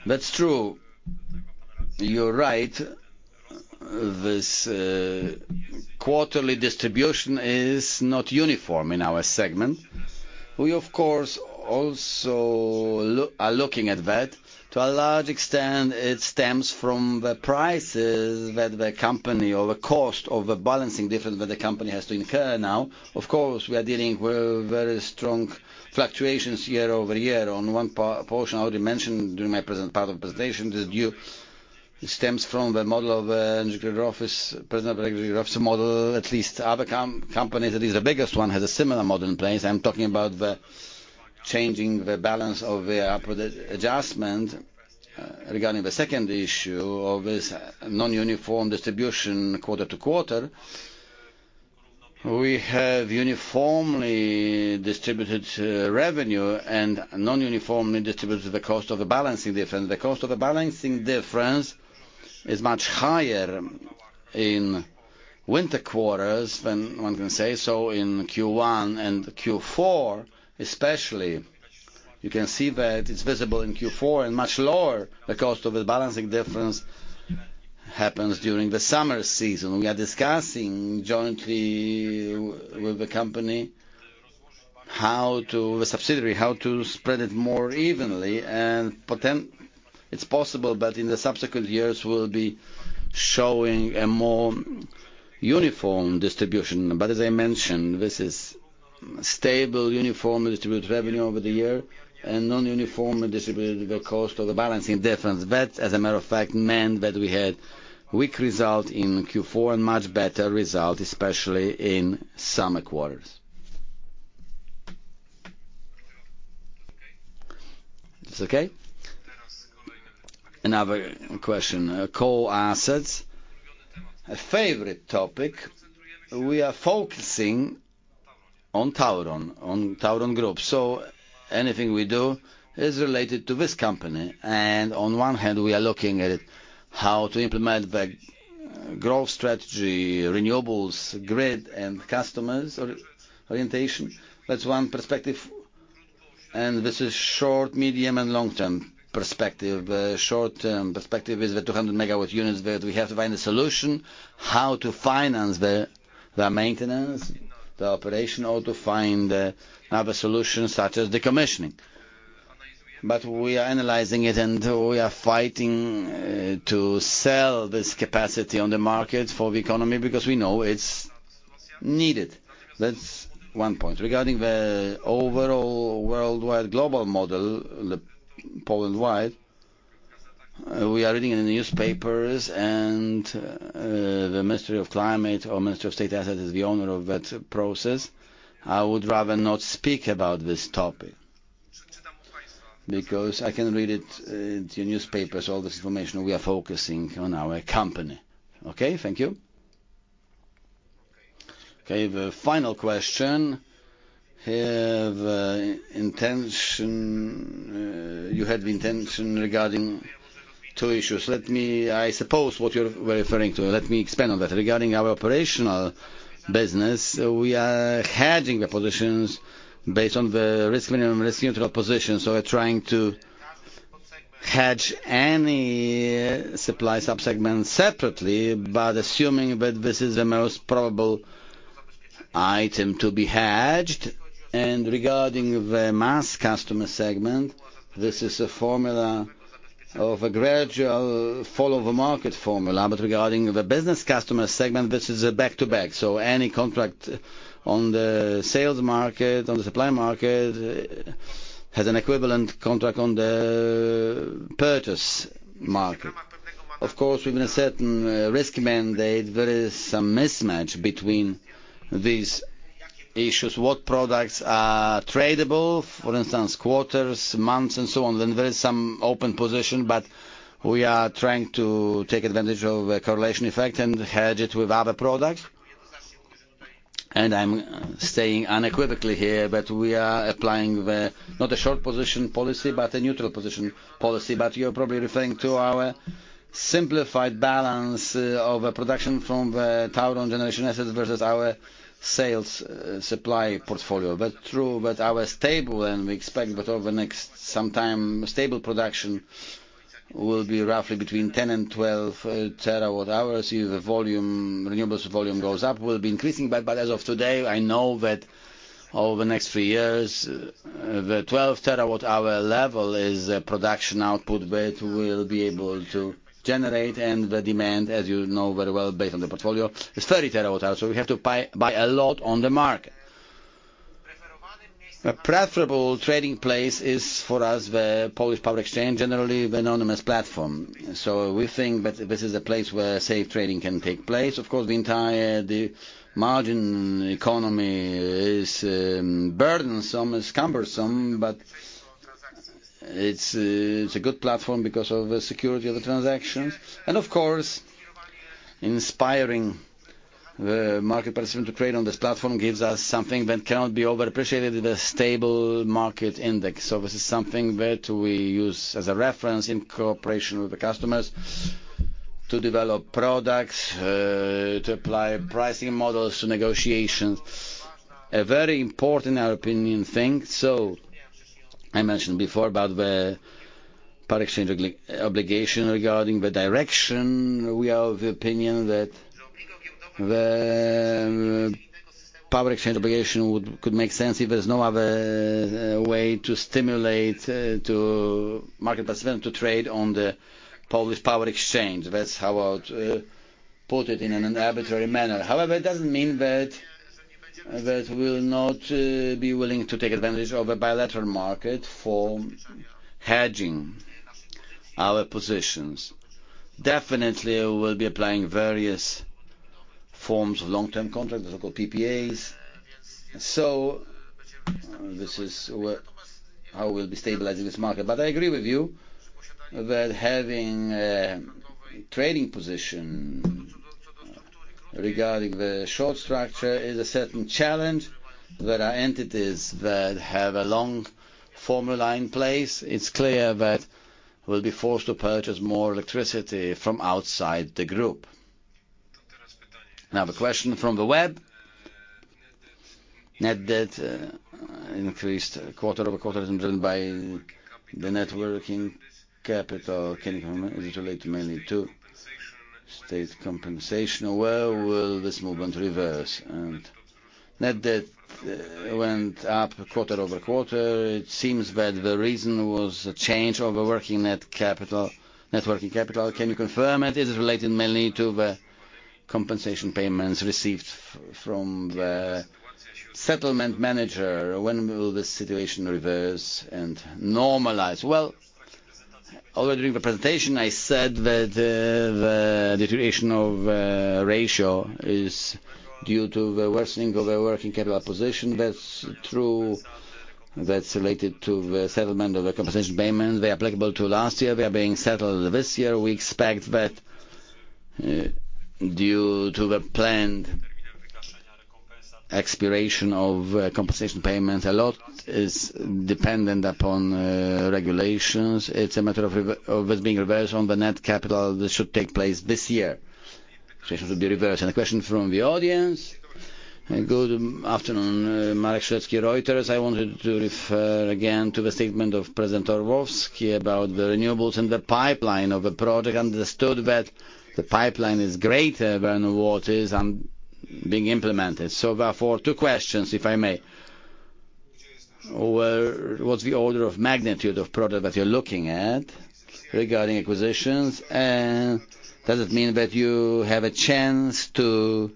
That's true. You're right. This quarterly distribution is not uniform in our segment. We of course also are looking at that. To a large extent it stems from the prices that the company or the cost of the balancing difference that the company has to incur now. Of course we are dealing with very strong fluctuations year-over-year. On one point I already mentioned during my presentation, part of the presentation is due. It stems from the model of the Energy Regulatory Office, president of the Energy Regulatory Office model. At least other companies at least the biggest one has a similar model in place. I'm talking about the changing the balance of the upward adjustment regarding the second issue of this non-uniform distribution quarter-to-quarter. We have uniformly distributed revenue and non-uniformly distributed the cost of the balancing difference. The cost of the balancing difference is much higher in winter quarters than one can say. So in Q1 and Q4 especially you can see that it's visible in Q4 and much lower the cost of the balancing difference happens during the summer season. We are discussing jointly with the company how to spread it more evenly and potentially it's possible but in the subsequent years will be showing a more uniform distribution. But as I mentioned this is stable, uniformly distributed revenue over the year and non-uniformly distributed the cost of the balancing difference. That as a matter of fact meant that we had weak result in Q4 and much better result especially in summer quarters. It's okay? Another question. Core assets. A favorite topic. We are focusing on TAURON, on TAURON Group. So anything we do is related to this company and on one hand we are looking at how to implement the growth strategy, renewables, grid and customers orientation. That's one perspective and this is short-, medium-, and long-term perspective. The short-term perspective is the 200 MW units that we have to find a solution how to finance the maintenance, the operation, or to find other solutions such as decommissioning. But we are analyzing it, and we are fighting to sell this capacity on the market for the economy because we know it's needed. That's one point. Regarding the overall worldwide, global model, the Poland-wide. We are reading in the newspapers, and the Ministry of Climate or Ministry of State Assets is the owner of that process. I would rather not speak about this topic because I can read it in your newspapers. All this information, we are focusing on our company. Okay? Thank you. Okay. The final question. Have intention, you had the intention regarding two issues. Let me, I suppose what you're referring to. Let me expand on that. Regarding our operational business we are hedging the positions based on the risk minimum, risk neutral position. So we're trying to hedge any supply subsegment separately but assuming that this is the most probable item to be hedged. And regarding the mass customer segment this is a formula of a gradual follow the market formula but regarding the business customer segment this is a back to back. So any contract on the sales market, on the supply market has an equivalent contract on the purchase market. Of course we've got a certain risk mandate. There is some mismatch between these issues. What products are tradable? For instance, quarters, months and so on. Then there is some open position but we are trying to take advantage of a correlation effect and hedge it with other products. I'm staying unequivocally here but we are applying the not a short position policy but a neutral position policy. You're probably referring to our simplified balance of production from the TAURON generation assets versus our sales supply portfolio. But true that our stable and we expect that over the next some time stable production will be roughly between 10 and 12 terawatt hours. If the volume, renewables volume goes up will be increasing but as of today I know that over the next three years the 12 terawatt hour level is the production output that we'll be able to generate and the demand as you know very well based on the portfolio is 30 terawatt hours. So we have to buy, buy a lot on the market. A preferable trading place is for us the Polish Power Exchange, generally the anonymous platform. So we think that this is a place where safe trading can take place. Of course the entire, the margin economy is burdensome, it's cumbersome but it's a good platform because of the security of the transactions. And of course inspiring the market participant to trade on this platform gives us something that cannot be overappreciated in the stable market index. So this is something that we use as a reference in cooperation with the customers to develop products, to apply pricing models to negotiations. A very important in our opinion thing. So I mentioned before about the Power Exchange obligation regarding the direction. We are of the opinion that the Power Exchange obligation could make sense if there's no other way to stimulate to market participant to trade on the Polish Power Exchange. That's how I would put it in an arbitrary manner. However, it doesn't mean that we'll not be willing to take advantage of a bilateral market for hedging our positions. Definitely we'll be applying various forms of long-term contracts. Those are called PPAs. So this is how we'll be stabilizing this market. But I agree with you that having a trading position regarding the short structure is a certain challenge. There are entities that have a long formula in place. It's clear that we'll be forced to purchase more electricity from outside the group. Now the question from the web. Net debt increased quarter-over-quarter isn't driven by the working capital. Can you comment? Is it related mainly to state compensation? Where will this movement reverse? And net debt went up quarter-over-quarter. It seems that the reason was a change of the working capital. Working capital. Can you confirm it? Is it related mainly to the compensation payments received from the settlement manager? When will this situation reverse and normalize? Well, already during the presentation I said that the deterioration of ratio is due to the worsening of the working capital position. That's true. That's related to the settlement of the compensation payments. They are applicable to last year. They are being settled this year. We expect that due to the planned expiration of compensation payments a lot is dependent upon regulations. It's a matter of it being reversed on the net capital. This should take place this year. This should be reversed. A question from the audience. Good afternoon, Marek Strzelecki, Reuters. I wanted to refer again to the statement of President Orłowski about the renewables and the pipeline of the project. Understood that the pipeline is greater than what is being implemented. So therefore two questions if I may. What's the order of magnitude of product that you're looking at regarding acquisitions? And does it mean that you have a chance to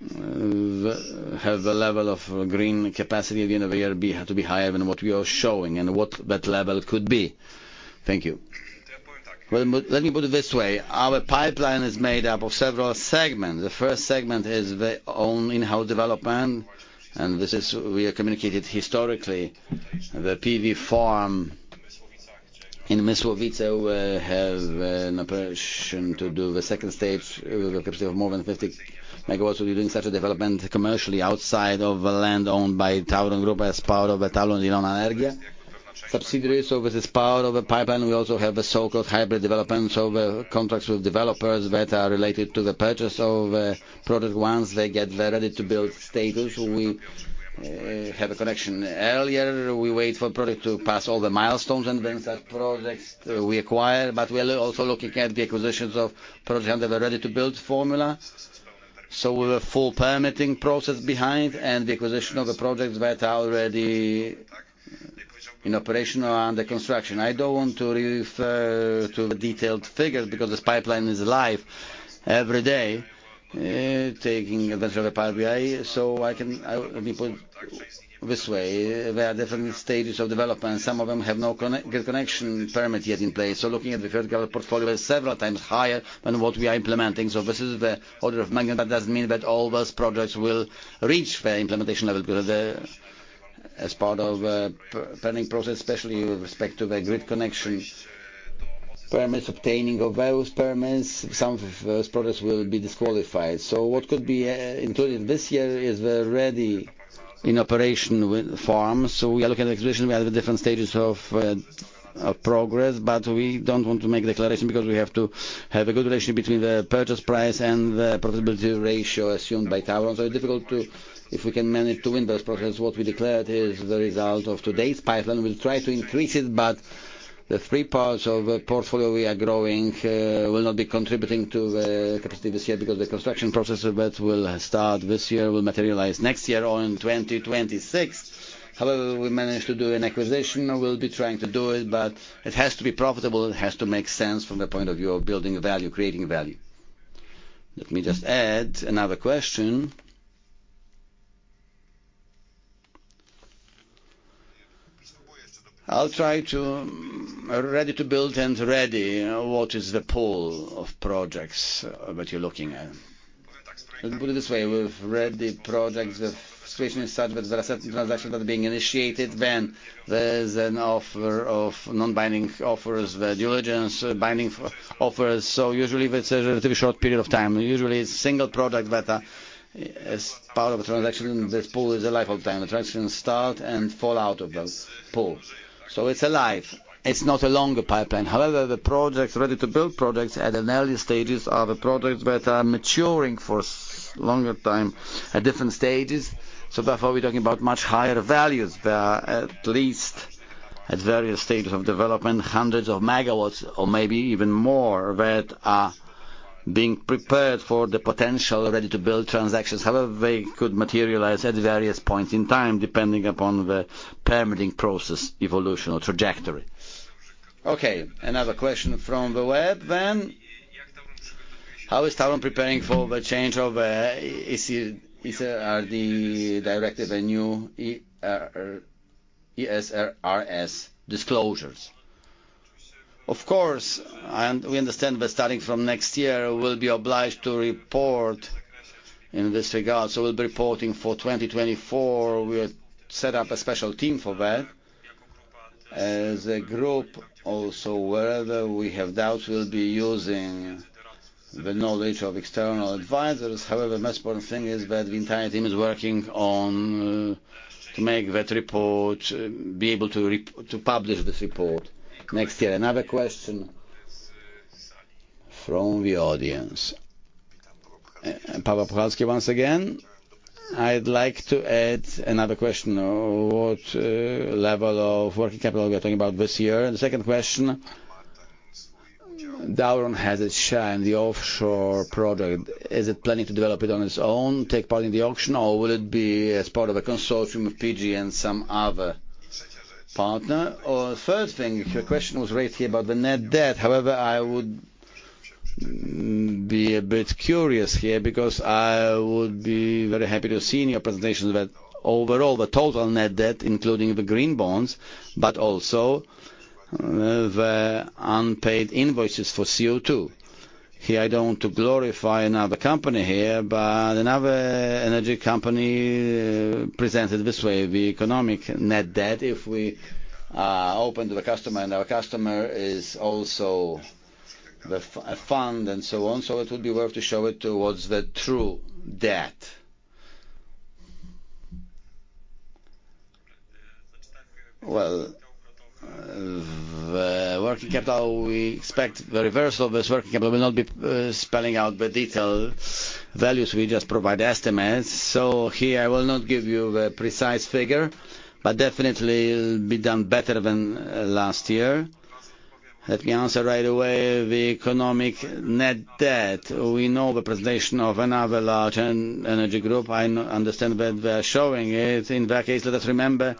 have a level of green capacity at the end of the year to be higher than what we are showing and what that level could be? Thank you. Well let me put it this way. Our pipeline is made up of several segments. The first segment is the own in-house development and this is we have communicated historically. The PV farm in Mysłowice have an operation to do the second stage with a capacity of more than 50 MW. We'll be doing such a development commercially outside of the land owned by TAURON Group as part of the TAURON Zielona Energia. Subsidiaries so this is part of the pipeline. We also have the so-called hybrid development. So the contracts with developers that are related to the purchase of product once they get ready to build status. We have a connection earlier. We wait for product to pass all the milestones and then such projects we acquire. But we are also looking at the acquisitions of products under the ready to build formula. So with a full permitting process behind and the acquisition of the projects that are already in operation or under construction. I don't want to refer to detailed figures because this pipeline is live every day taking advantage of the Power BI. So I can, let me put it this way. There are different stages of development. Some of them have no good connection permit yet in place. So looking at the vertical portfolio is several times higher than what we are implementing. So this is the order of. Doesn't mean that all those projects will reach their implementation level because as part of the planning process, especially with respect to the grid connection permits, obtaining of those permits, some of those projects will be disqualified. So what could be included this year is the ready in operation farm. So we are looking at the acquisition. We have different stages of progress but we don't want to make declaration because we have to have a good relationship between the purchase price and the profitability ratio assumed by TAURON. So it's difficult to if we can manage to win those processes. What we declared is the result of today's pipeline. We'll try to increase it but the three parts of the portfolio we are growing will not be contributing to the capacity this year because the construction process that will start this year will materialize next year or in 2026. However, we managed to do an acquisition. We'll be trying to do it, but it has to be profitable. It has to make sense from the point of view of building value, creating value. Let me just add another question. I'll try to ready to build and ready. What is the pool of projects that you're looking at? Let me put it this way. With ready projects, the situation is such that there are certain transactions that are being initiated. Then there's an offer of non-binding offers, the diligence, binding offers. So usually that's a relatively short period of time. Usually it's single project that are as part of a transaction and this pool is alive all the time. The transactions start and fall out of the pool. So it's alive. It's not a longer pipeline. However, the ready-to-build projects at early stages are the projects that are maturing for longer time at different stages. So therefore we're talking about much higher values. There are at least at various stages of development hundreds of megawatts or maybe even more that are being prepared for the potential ready-to-build transactions. However they could materialize at various points in time depending upon the permitting process evolution or trajectory. Okay. Another question from the web then. How is TAURON preparing for the change of the ESRS disclosures? Of course and we understand that starting from next year we'll be obliged to report in this regard. So we'll be reporting for 2024. We'll set up a special team for that as a group. Also wherever we have doubts we'll be using the knowledge of external advisors. However, the most important thing is that the entire team is working on to make that report be able to publish this report next year. Another question from the audience. Paweł Puchalski once again. I'd like to add another question. What level of working capital are we talking about this year? And the second question. TAURON has its share in the offshore project. Is it planning to develop it on its own, take part in the auction or will it be as part of a consortium of PGE and some other partner? Or third thing, your question was raised here about the net debt. However, I would be a bit curious here because I would be very happy to see in your presentation that overall the total net debt including the green bonds but also the unpaid invoices for CO2. Here, I don't want to glorify another company here, but another energy company presented this way. The economic net debt if we open to the customer and our customer is also a fund and so on. So it would be worth to show it towards the true debt. Well, the working capital we expect the reverse of this working capital. We'll not be spelling out the detailed values. We just provide estimates. So here I will not give you the precise figure, but definitely it'll be done better than last year. Let me answer right away. The economic net debt. We know the presentation of another large energy group. I understand that they are showing it. In that case, let us remember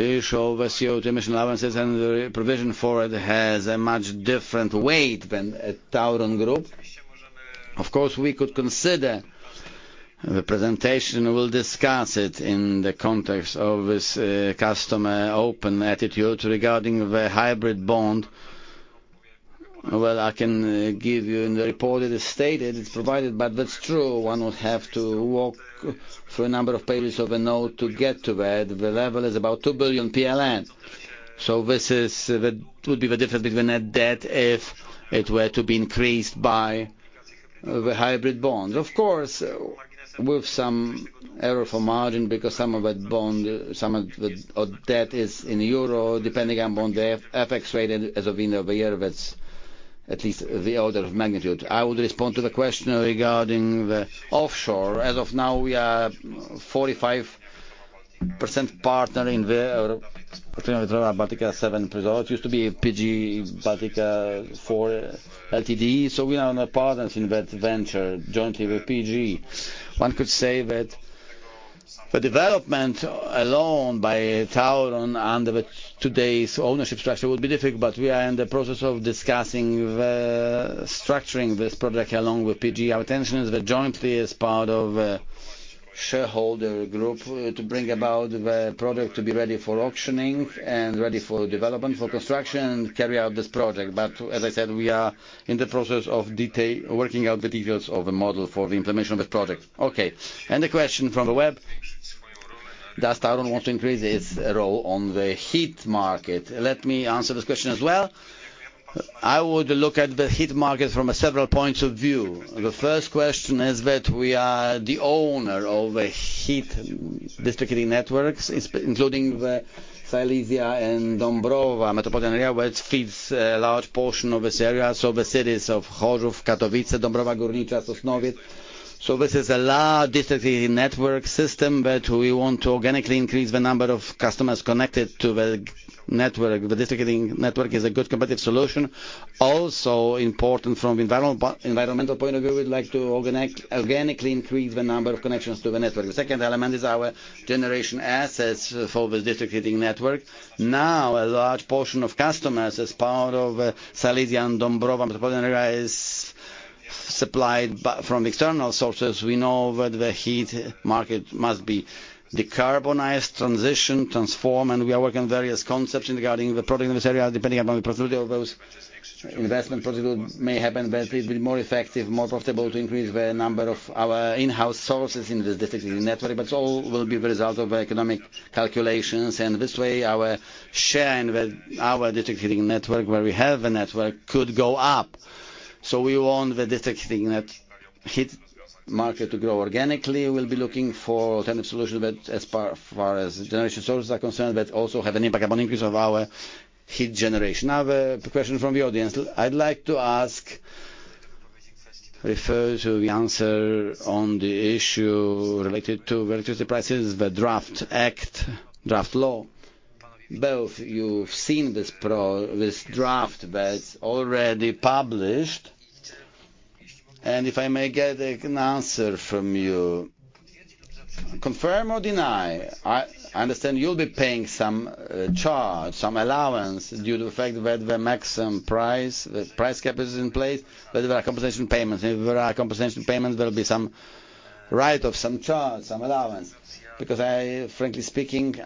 issue over CO2 emission allowances and the provision for it has a much different weight than at TAURON Group. Of course we could consider the presentation. We'll discuss it in the context of this customer open attitude regarding the hybrid bond. Well, I can give you in the report it is stated, it's provided but that's true. One would have to walk through a number of pages of a note to get to that. The level is about 2 billion PLN. So this is that would be the difference between net debt if it were to be increased by the hybrid bonds. Of course with some error for margin because some of that bond, some of the debt is in euro depending upon the FX rate as of the end of the year that's at least the order of magnitude. I would respond to the question regarding the offshore. As of now we are 45% partner in the Baltica 7 resort. It used to be PGE Baltica 4 Ltd. So we are in a partnership in that venture jointly with PGE. One could say that the development alone by TAURON under today's ownership structure would be difficult, but we are in the process of discussing the structuring this project along with PGE. Our intention is that jointly as part of a shareholder group to bring about the project to be ready for auctioning and ready for development, for construction and carry out this project. But as I said, we are in the process of working out the details of a model for the implementation of this project. Okay. And a question from the web. Does TAURON want to increase its role on the heat market? Let me answer this question as well. I would look at the heat market from several points of view. The first question is that we are the owner of a heat district heating networks including the Silesia and Dąbrowa Metropolitan Area which feeds a large portion of this area. So the cities of Chorzów, Katowice, Dąbrowa Górnicza, Sosnowiec. So this is a large district heating network system that we want to organically increase the number of customers connected to the network. The district heating network is a good competitive solution. Also important from the environmental point of view we'd like to organically increase the number of connections to the network. The second element is our generation assets for this district heating network. Now a large portion of customers as part of Silesia and Dąbrowa Metropolitan Area is supplied from external sources. We know that the heat market must be decarbonized, transition, transform and we are working on various concepts regarding the product in this area depending upon the profitability of those investments. Profitability may happen but it'll be more effective, more profitable to increase the number of our in-house sources in this district heating network but it all will be the result of economic calculations and this way our share in our district heating network where we have a network could go up. So we want the district heating net heat market to grow organically. We'll be looking for alternative solutions but as far as generation sources are concerned that also have an impact upon increase of our heat generation. Another question from the audience. I'd like to ask refer to. Answer on the issue related to electricity prices, the draft act, draft law. Both, you've seen this draft that's already published, and if I may get an answer from you. Confirm or deny. I understand you'll be paying some charge, some allowance due to the fact that the maximum price, the price cap is in place but there are compensation payments. If there are compensation payments, there'll be some right of some charge, some allowance because, frankly speaking,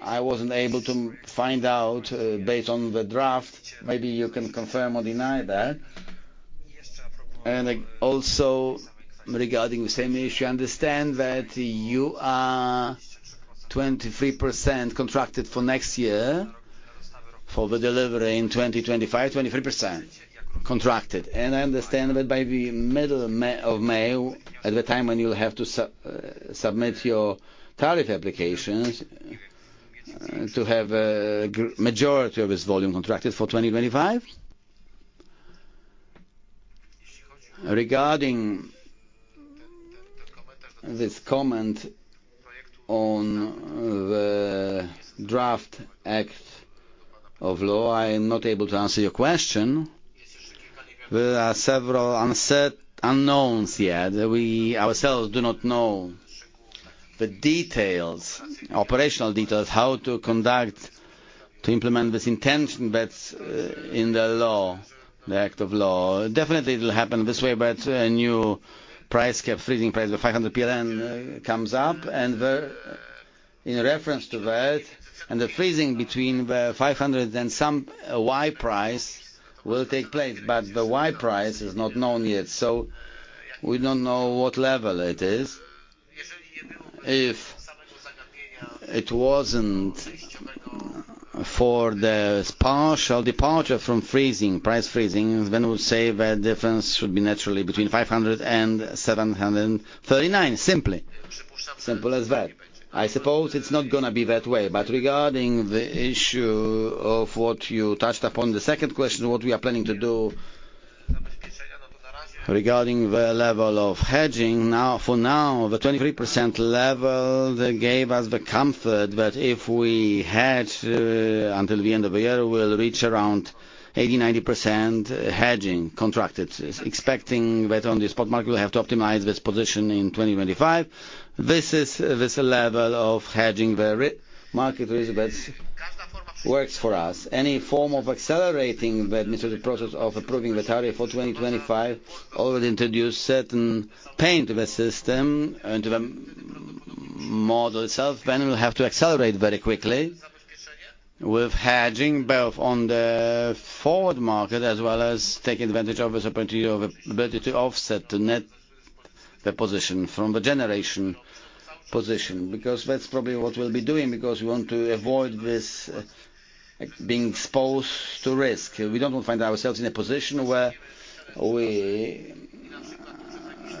I wasn't able to find out based on the draft. Maybe you can confirm or deny that. Also regarding the same issue. I understand that you are 23% contracted for next year for the delivery in 2025, 23% contracted. I understand that by the middle of May, at the time when you'll have to submit your tariff applications, to have a majority of this volume contracted for 2025. Regarding this comment on the draft act of law, I'm not able to answer your question. There are several unknowns yet. We ourselves do not know the details, operational details how to conduct, to implement this intention that's in the law, the act of law. Definitely it'll happen this way, but a new price cap, freezing price of 500 PLN comes up and in reference to that and the freezing between the 500 PLN and some Y price will take place, but the Y price is not known yet. So we don't know what level it is. If it wasn't for the partial departure from freezing, price freezing, then we'll say that difference should be naturally between 500 PLN and 739 PLN simply. Simple as that. I suppose it's not going to be that way, but regarding the issue of what you touched upon the second question, what we are planning to do regarding the level of hedging, now, for now, the 23% level that gave us the comfort that if we hedge until the end of the year we'll reach around 80%-90% hedging contracted. Expecting that on the spot market we'll have to optimize this position in 2025. This is this level of hedging the market risk that works for us. Any form of accelerating that means through the process of approving the tariff for 2025 already introduced certain pain to the system and to the model itself. Then we'll have to accelerate very quickly with hedging both on the forward market as well as taking advantage of this opportunity of ability to offset the net position from the generation position because that's probably what we'll be doing because we want to avoid this being exposed to risk. We don't want to find ourselves in a position where we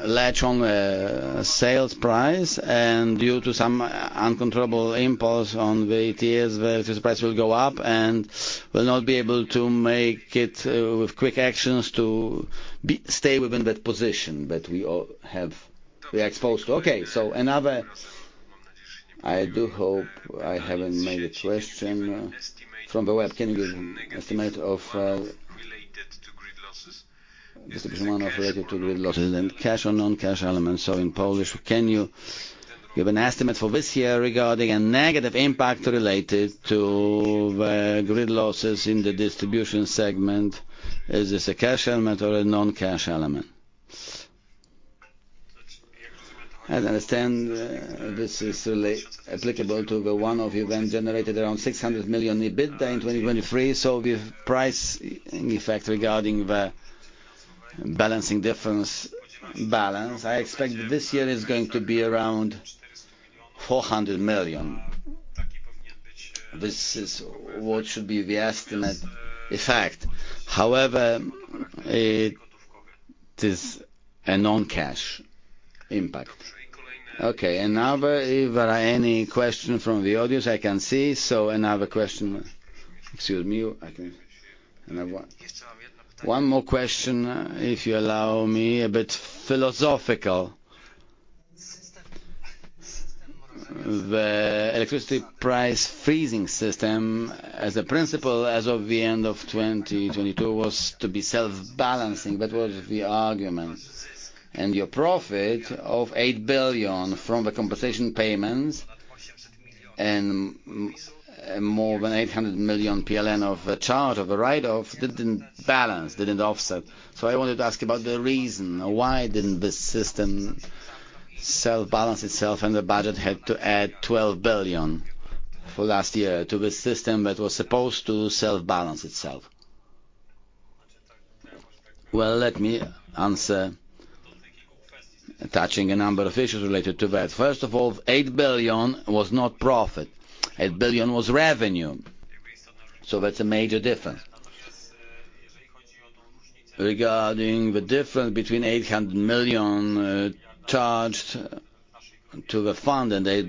latch on a sales price and due to some uncontrollable impulse on the ETS the electricity price will go up and we'll not be able to make it with quick actions to stay within that position that we are exposed to. Okay. So another. I do hope I haven't made a question from the web. Can you give an estimate of distribution one of related to grid losses and cash or non-cash elements? So in Polish can you give an estimate for this year regarding a negative impact related to the grid losses in the distribution segment? Is this a cash element or a non-cash element? As I understand this is applicable to the one-off event generated around 600 million EBITDA in 2023. So with pricing effect regarding the balancing difference balance I expect that this year is going to be around 400 million. This is what should be the estimate effect. However it is a non-cash impact. Okay. Another if there are any questions from the audience I can see. So another question. Excuse me. One more question if you allow me a bit philosophical. The electricity price freezing system as a principle as of the end of 2022 was to be self-balancing. That was the argument. And your profit of 8 billion from the compensation payments and more than 800 million PLN of the charge of the write-off didn't balance, didn't offset. So I wanted to ask about the reason why didn't this system self-balance itself and the budget had to add 12 billion for last year to this system that was supposed to self-balance itself. Well, let me answer, touching a number of issues related to that. First of all, 8 billion was not profit. 8 billion was revenue. So that's a major difference regarding the difference between 800 million charged to the fund and 8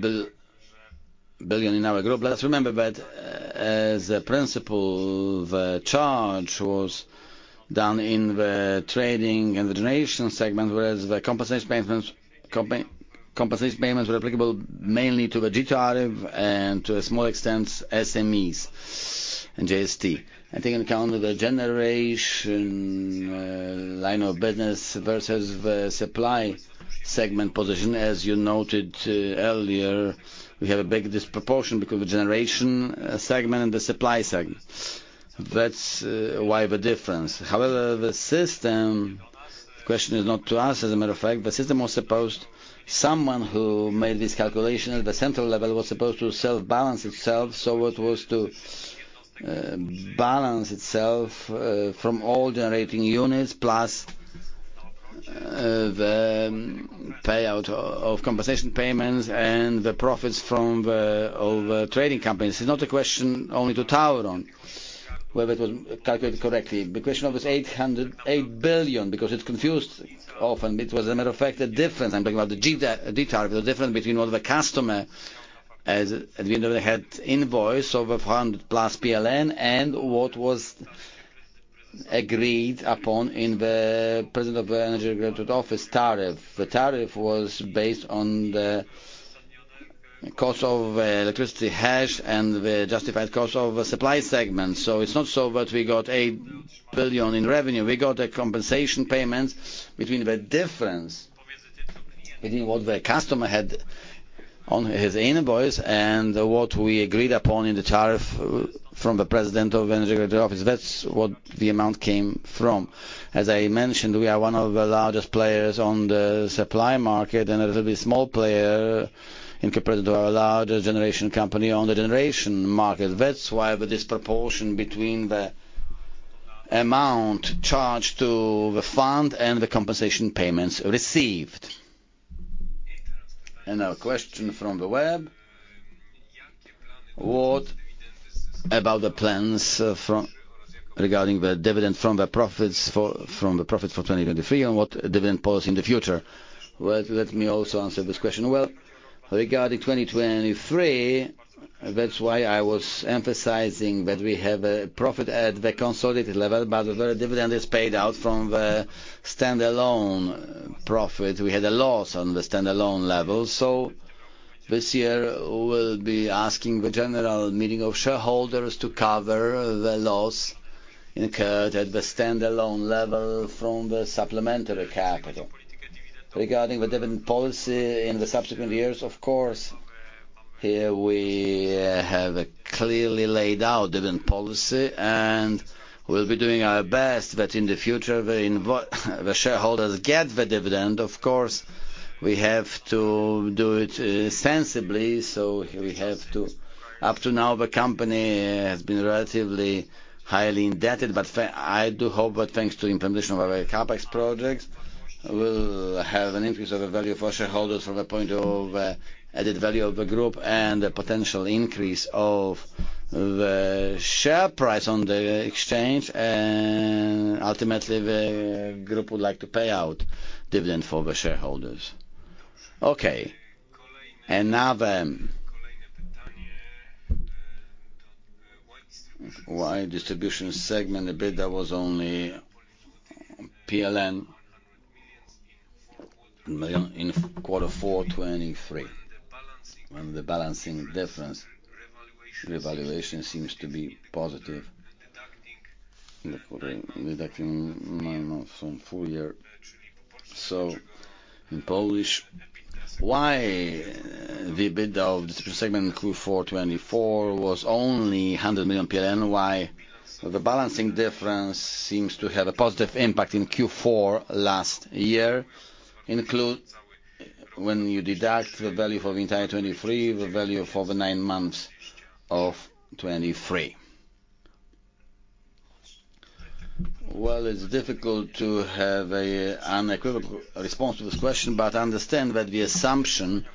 billion in our group. Let us remember that as a principle the charge was done in the trading and the generation segment, whereas the compensation payments were applicable mainly to the G Tariff and to a small extent SMEs and JST. I think in accordance with the generation line of business versus the supply segment position as you noted earlier, we have a big disproportion between the generation segment and the supply segment. That's why the difference. However, the system, the question is not to us as a matter of fact, the system was supposed someone who made these calculations at the central level was supposed to self-balance itself. So it was to balance itself from all generating units plus the payout of compensation payments and the profits from all the trading companies. It's not a question only to TAURON whether it was calculated correctly. The question of this 8 billion because it's confused often. It was as a matter of fact a difference. I'm talking about the G Tariff, the difference between what the customer at the end of the day had invoice over 400+ PLN and what was agreed upon in the presence of the energy regulatory office tariff. The tariff was based on the cost of electricity purchase and the justified cost of the supply segment. So it's not so that we got 8 billion in revenue. We got the compensation payments between the difference between what the customer had on his invoice and what we agreed upon in the tariff from the president of the energy regulatory office. That's what the amount came from. As I mentioned we are one of the largest players on the supply market and a little bit small player in comparison to our largest generation company on the generation market. That's why the disproportion between the amount charged to the fund and the compensation payments received. Another question from the web. What about the plans regarding the dividend from the profits for 2023 and what dividend policy in the future? Let me also answer this question. Well, regarding 2023, that's why I was emphasizing that we have a profit at the consolidated level, but the dividend is paid out from the standalone profit. We had a loss on the standalone level. So this year we'll be asking the general meeting of shareholders to cover the loss incurred at the standalone level from the supplementary capital. Regarding the dividend policy in the subsequent years, of course here we have a clearly laid out dividend policy and we'll be doing our best that in the future the shareholders get the dividend. Of course we have to do it sensibly. So up to now the company has been relatively highly indebted, but I do hope that thanks to implementation of our CapEx projects we'll have an increase of the value for shareholders from a point of added value of the group and a potential increase of the share price on the exchange and ultimately the group would like to pay out dividend for the shareholders. Okay. Another distribution segment a bit that was only PLN in quarter 4 23. The balancing difference, revaluation seems to be positive. So in Polish why the EBITDA of distribution segment Q4 24 was only 100 million PLN? Why the balancing difference seems to have a positive impact in Q4 last year include when you deduct the value for the entire 23, the value for the nine months of 23? Well, it's difficult to have an unequivocal response to this question, but I understand that the assumption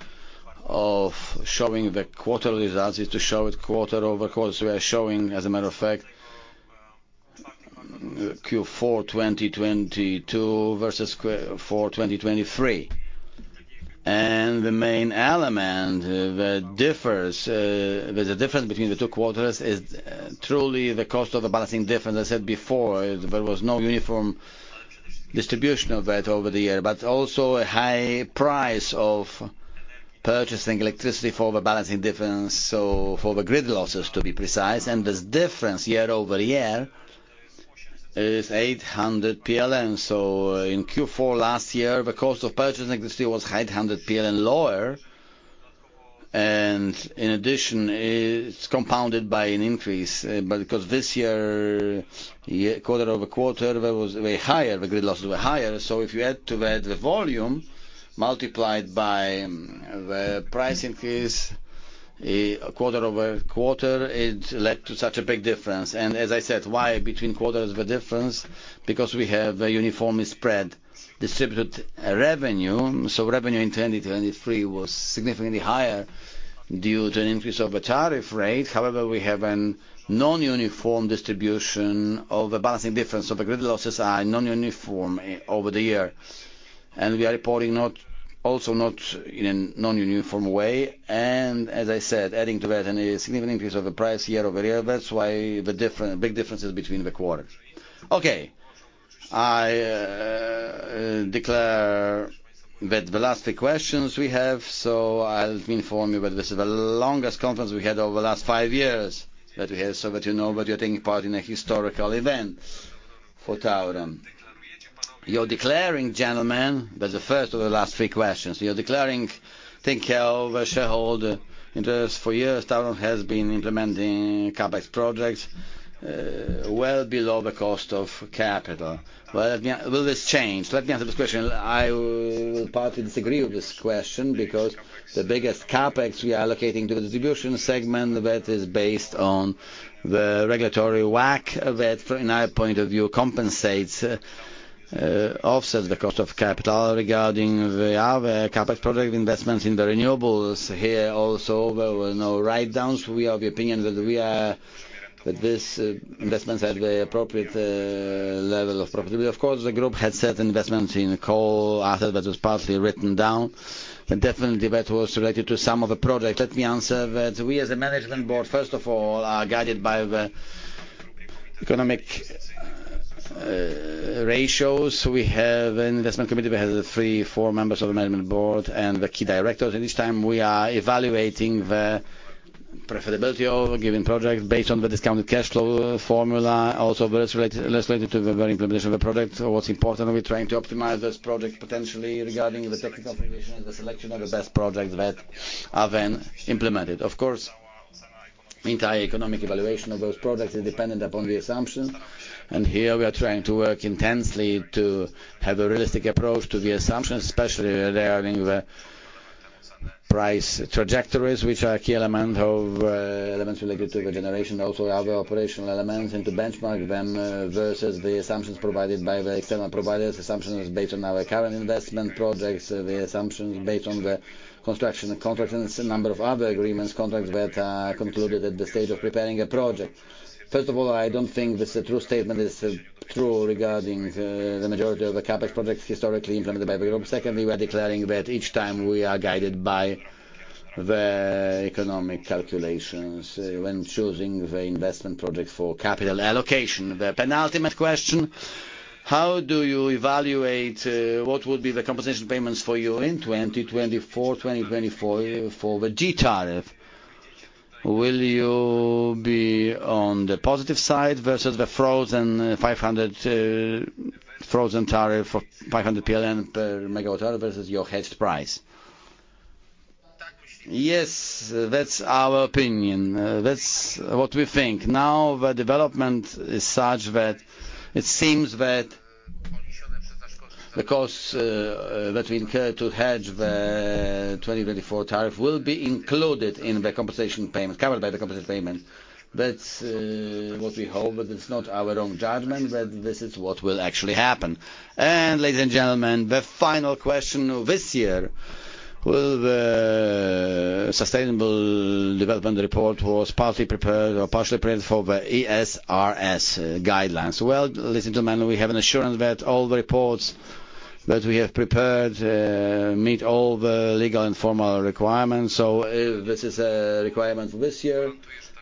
of showing the quarter results is to show it quarter-over-quarter. So we are showing, as a matter of fact, Q4 2022 versus Q4 2023, and the main element that differs, that the difference between the two quarters is truly the cost of the balancing difference. I said before there was no uniform distribution of that over the year but also a high price of purchasing electricity for the balancing difference. So for the grid losses to be precise and this difference year-over-year is 800 PLN. So in Q4 last year the cost of purchasing electricity was 800 PLN lower and in addition it's compounded by an increase because this year quarter-over-quarter there was way higher, the grid losses were higher. So if you add to that the volume multiplied by the price increase quarter-over-quarter, it led to such a big difference. And as I said, why between quarters the difference? Because we have a uniformly spread distributed revenue. So revenue in 2023 was significantly higher due to an increase of the tariff rate. However, we have a non-uniform distribution of the balancing difference. So the grid losses are non-uniform over the year, and we are reporting not also not in a non-uniform way. And as I said, adding to that and a significant increase of the price year-over-year. That's why the difference, big differences between the quarters. Okay. I declare that the last three questions we have. So I'll inform you that this is the longest conference we had over the last five years that we have so that you know that you're taking part in a historic event for TAURON. You're declaring gentlemen that's the first of the last three questions. You're declaring think shareholder interest for years TAURON has been implementing CapEx projects well below the cost of capital. Well will this change? Let me answer this question. I will partly disagree with this question because the biggest CapEx we are allocating to the distribution segment that is based on the regulatory WACC that in our point of view compensates, offsets the cost of capital regarding the other CapEx project investments in the renewables. Here also there were no write-downs. We are of the opinion that these investments at the appropriate level of profitability. Of course the group had certain investments in coal asset that was partly written down. Definitely that was related to some of the projects. Let me answer that we as a management board first of all are guided by the economic ratios. We have an investment committee that has 3 or 4 members of the management board and the key directors. At each time we are evaluating the profitability of a given project based on the discounted cash flow formula. Also that's related to the implementation of the project. What's important we're trying to optimize this project potentially regarding the technical creation and the selection of the best projects that are then implemented. Of course, the entire economic evaluation of those projects is dependent upon the assumptions, and here we are trying to work intensely to have a realistic approach to the assumptions, especially regarding the price trajectories, which are a key element of elements related to the generation. Also, other operational elements into benchmark them versus the assumptions provided by the external providers. Assumptions based on our current investment projects, the assumptions based on the construction contracts and number of other agreements, contracts that are concluded at the stage of preparing a project. First of all, I don't think this is a true statement is true regarding the majority of the CapEx projects historically implemented by the group. Secondly, we are declaring that each time we are guided by the economic calculations when choosing the investment projects for capital allocation. The penultimate question. How do you evaluate what would be the compensation payments for you in 2024, 2024 for the GTRF? Will you be on the positive side versus the frozen 500 tariff of 500 PLN per MWh versus your hedged price? Yes. That's our opinion. That's what we think. Now the development is such that it seems that the cost that we incur to hedge the 2024 tariff will be included in the compensation payment, covered by the compensation payments. That's what we hope but it's not our own judgment that this is what will actually happen. Ladies and gentlemen, the final question this year: will the sustainable development report was partly prepared or partially prepared for the ESRS guidelines? Well, listen to man. We have an assurance that all the reports that we have prepared meet all the legal and formal requirements. So if this is a requirement this year,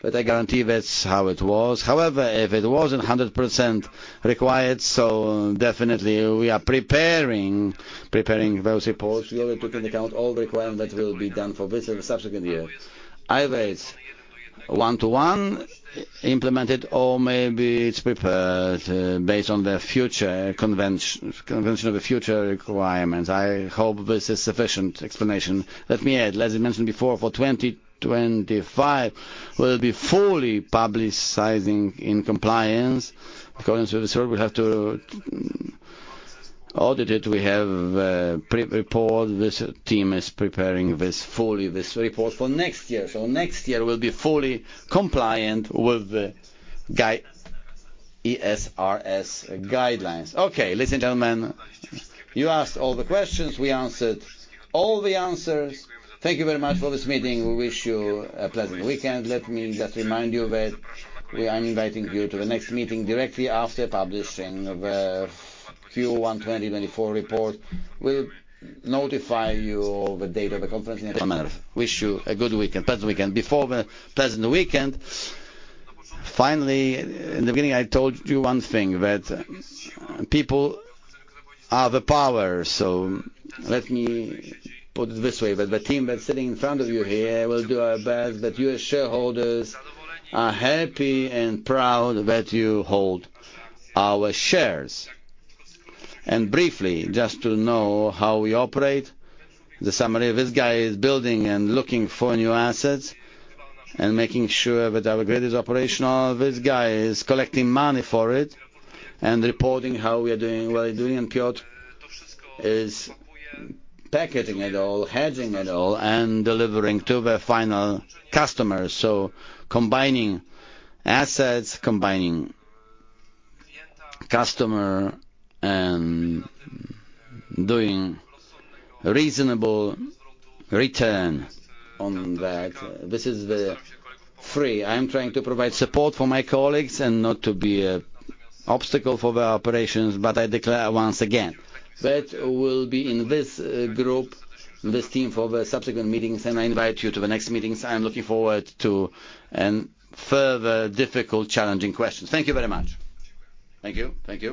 that I guarantee that's how it was. However, if it wasn't 100% required, so definitely we are preparing those reports. We only took into account all the requirements that will be done for this and the subsequent year. Either it's one-to-one implemented or maybe it's prepared based on the future convention, convention of the future requirements. I hope this is sufficient explanation. Let me add. As I mentioned before, for 2025 we'll be fully publicizing in compliance. According to the report, we have to audit it. We have a pre-report. This team is preparing this fully, this report for next year. So next year we'll be fully compliant with the ESRS guidelines. Okay. Ladies and gentlemen, you asked all the questions. We answered all the answers. Thank you very much for this meeting. We wish you a pleasant weekend. Let me just remind you that I'm inviting you to the next meeting directly after publishing the Q1 2024 report. We'll notify you of the date of the conference in a matter of days. We wish you a good weekend, pleasant weekend. Before the pleasant weekend, finally, in the beginning I told you one thing that people are the power. So let me put it this way that the team that's sitting in front of you here will do our best that you as shareholders are happy and proud that you hold our shares. Briefly, just to know how we operate: the summary of this guy is building and looking for new assets and making sure that our grid is operational. This guy is collecting money for it and reporting how we are doing, what he's doing. Piotr is packaging it all, hedging it all and delivering to the final customers. So combining assets, combining customer and doing reasonable return on that. This is the free. I am trying to provide support for my colleagues and not to be an obstacle for their operations but I declare once again that we'll be in this group, this team for the subsequent meetings and I invite you to the next meetings. I am looking forward to further difficult, challenging questions. Thank you very much. Thank you. Thank you.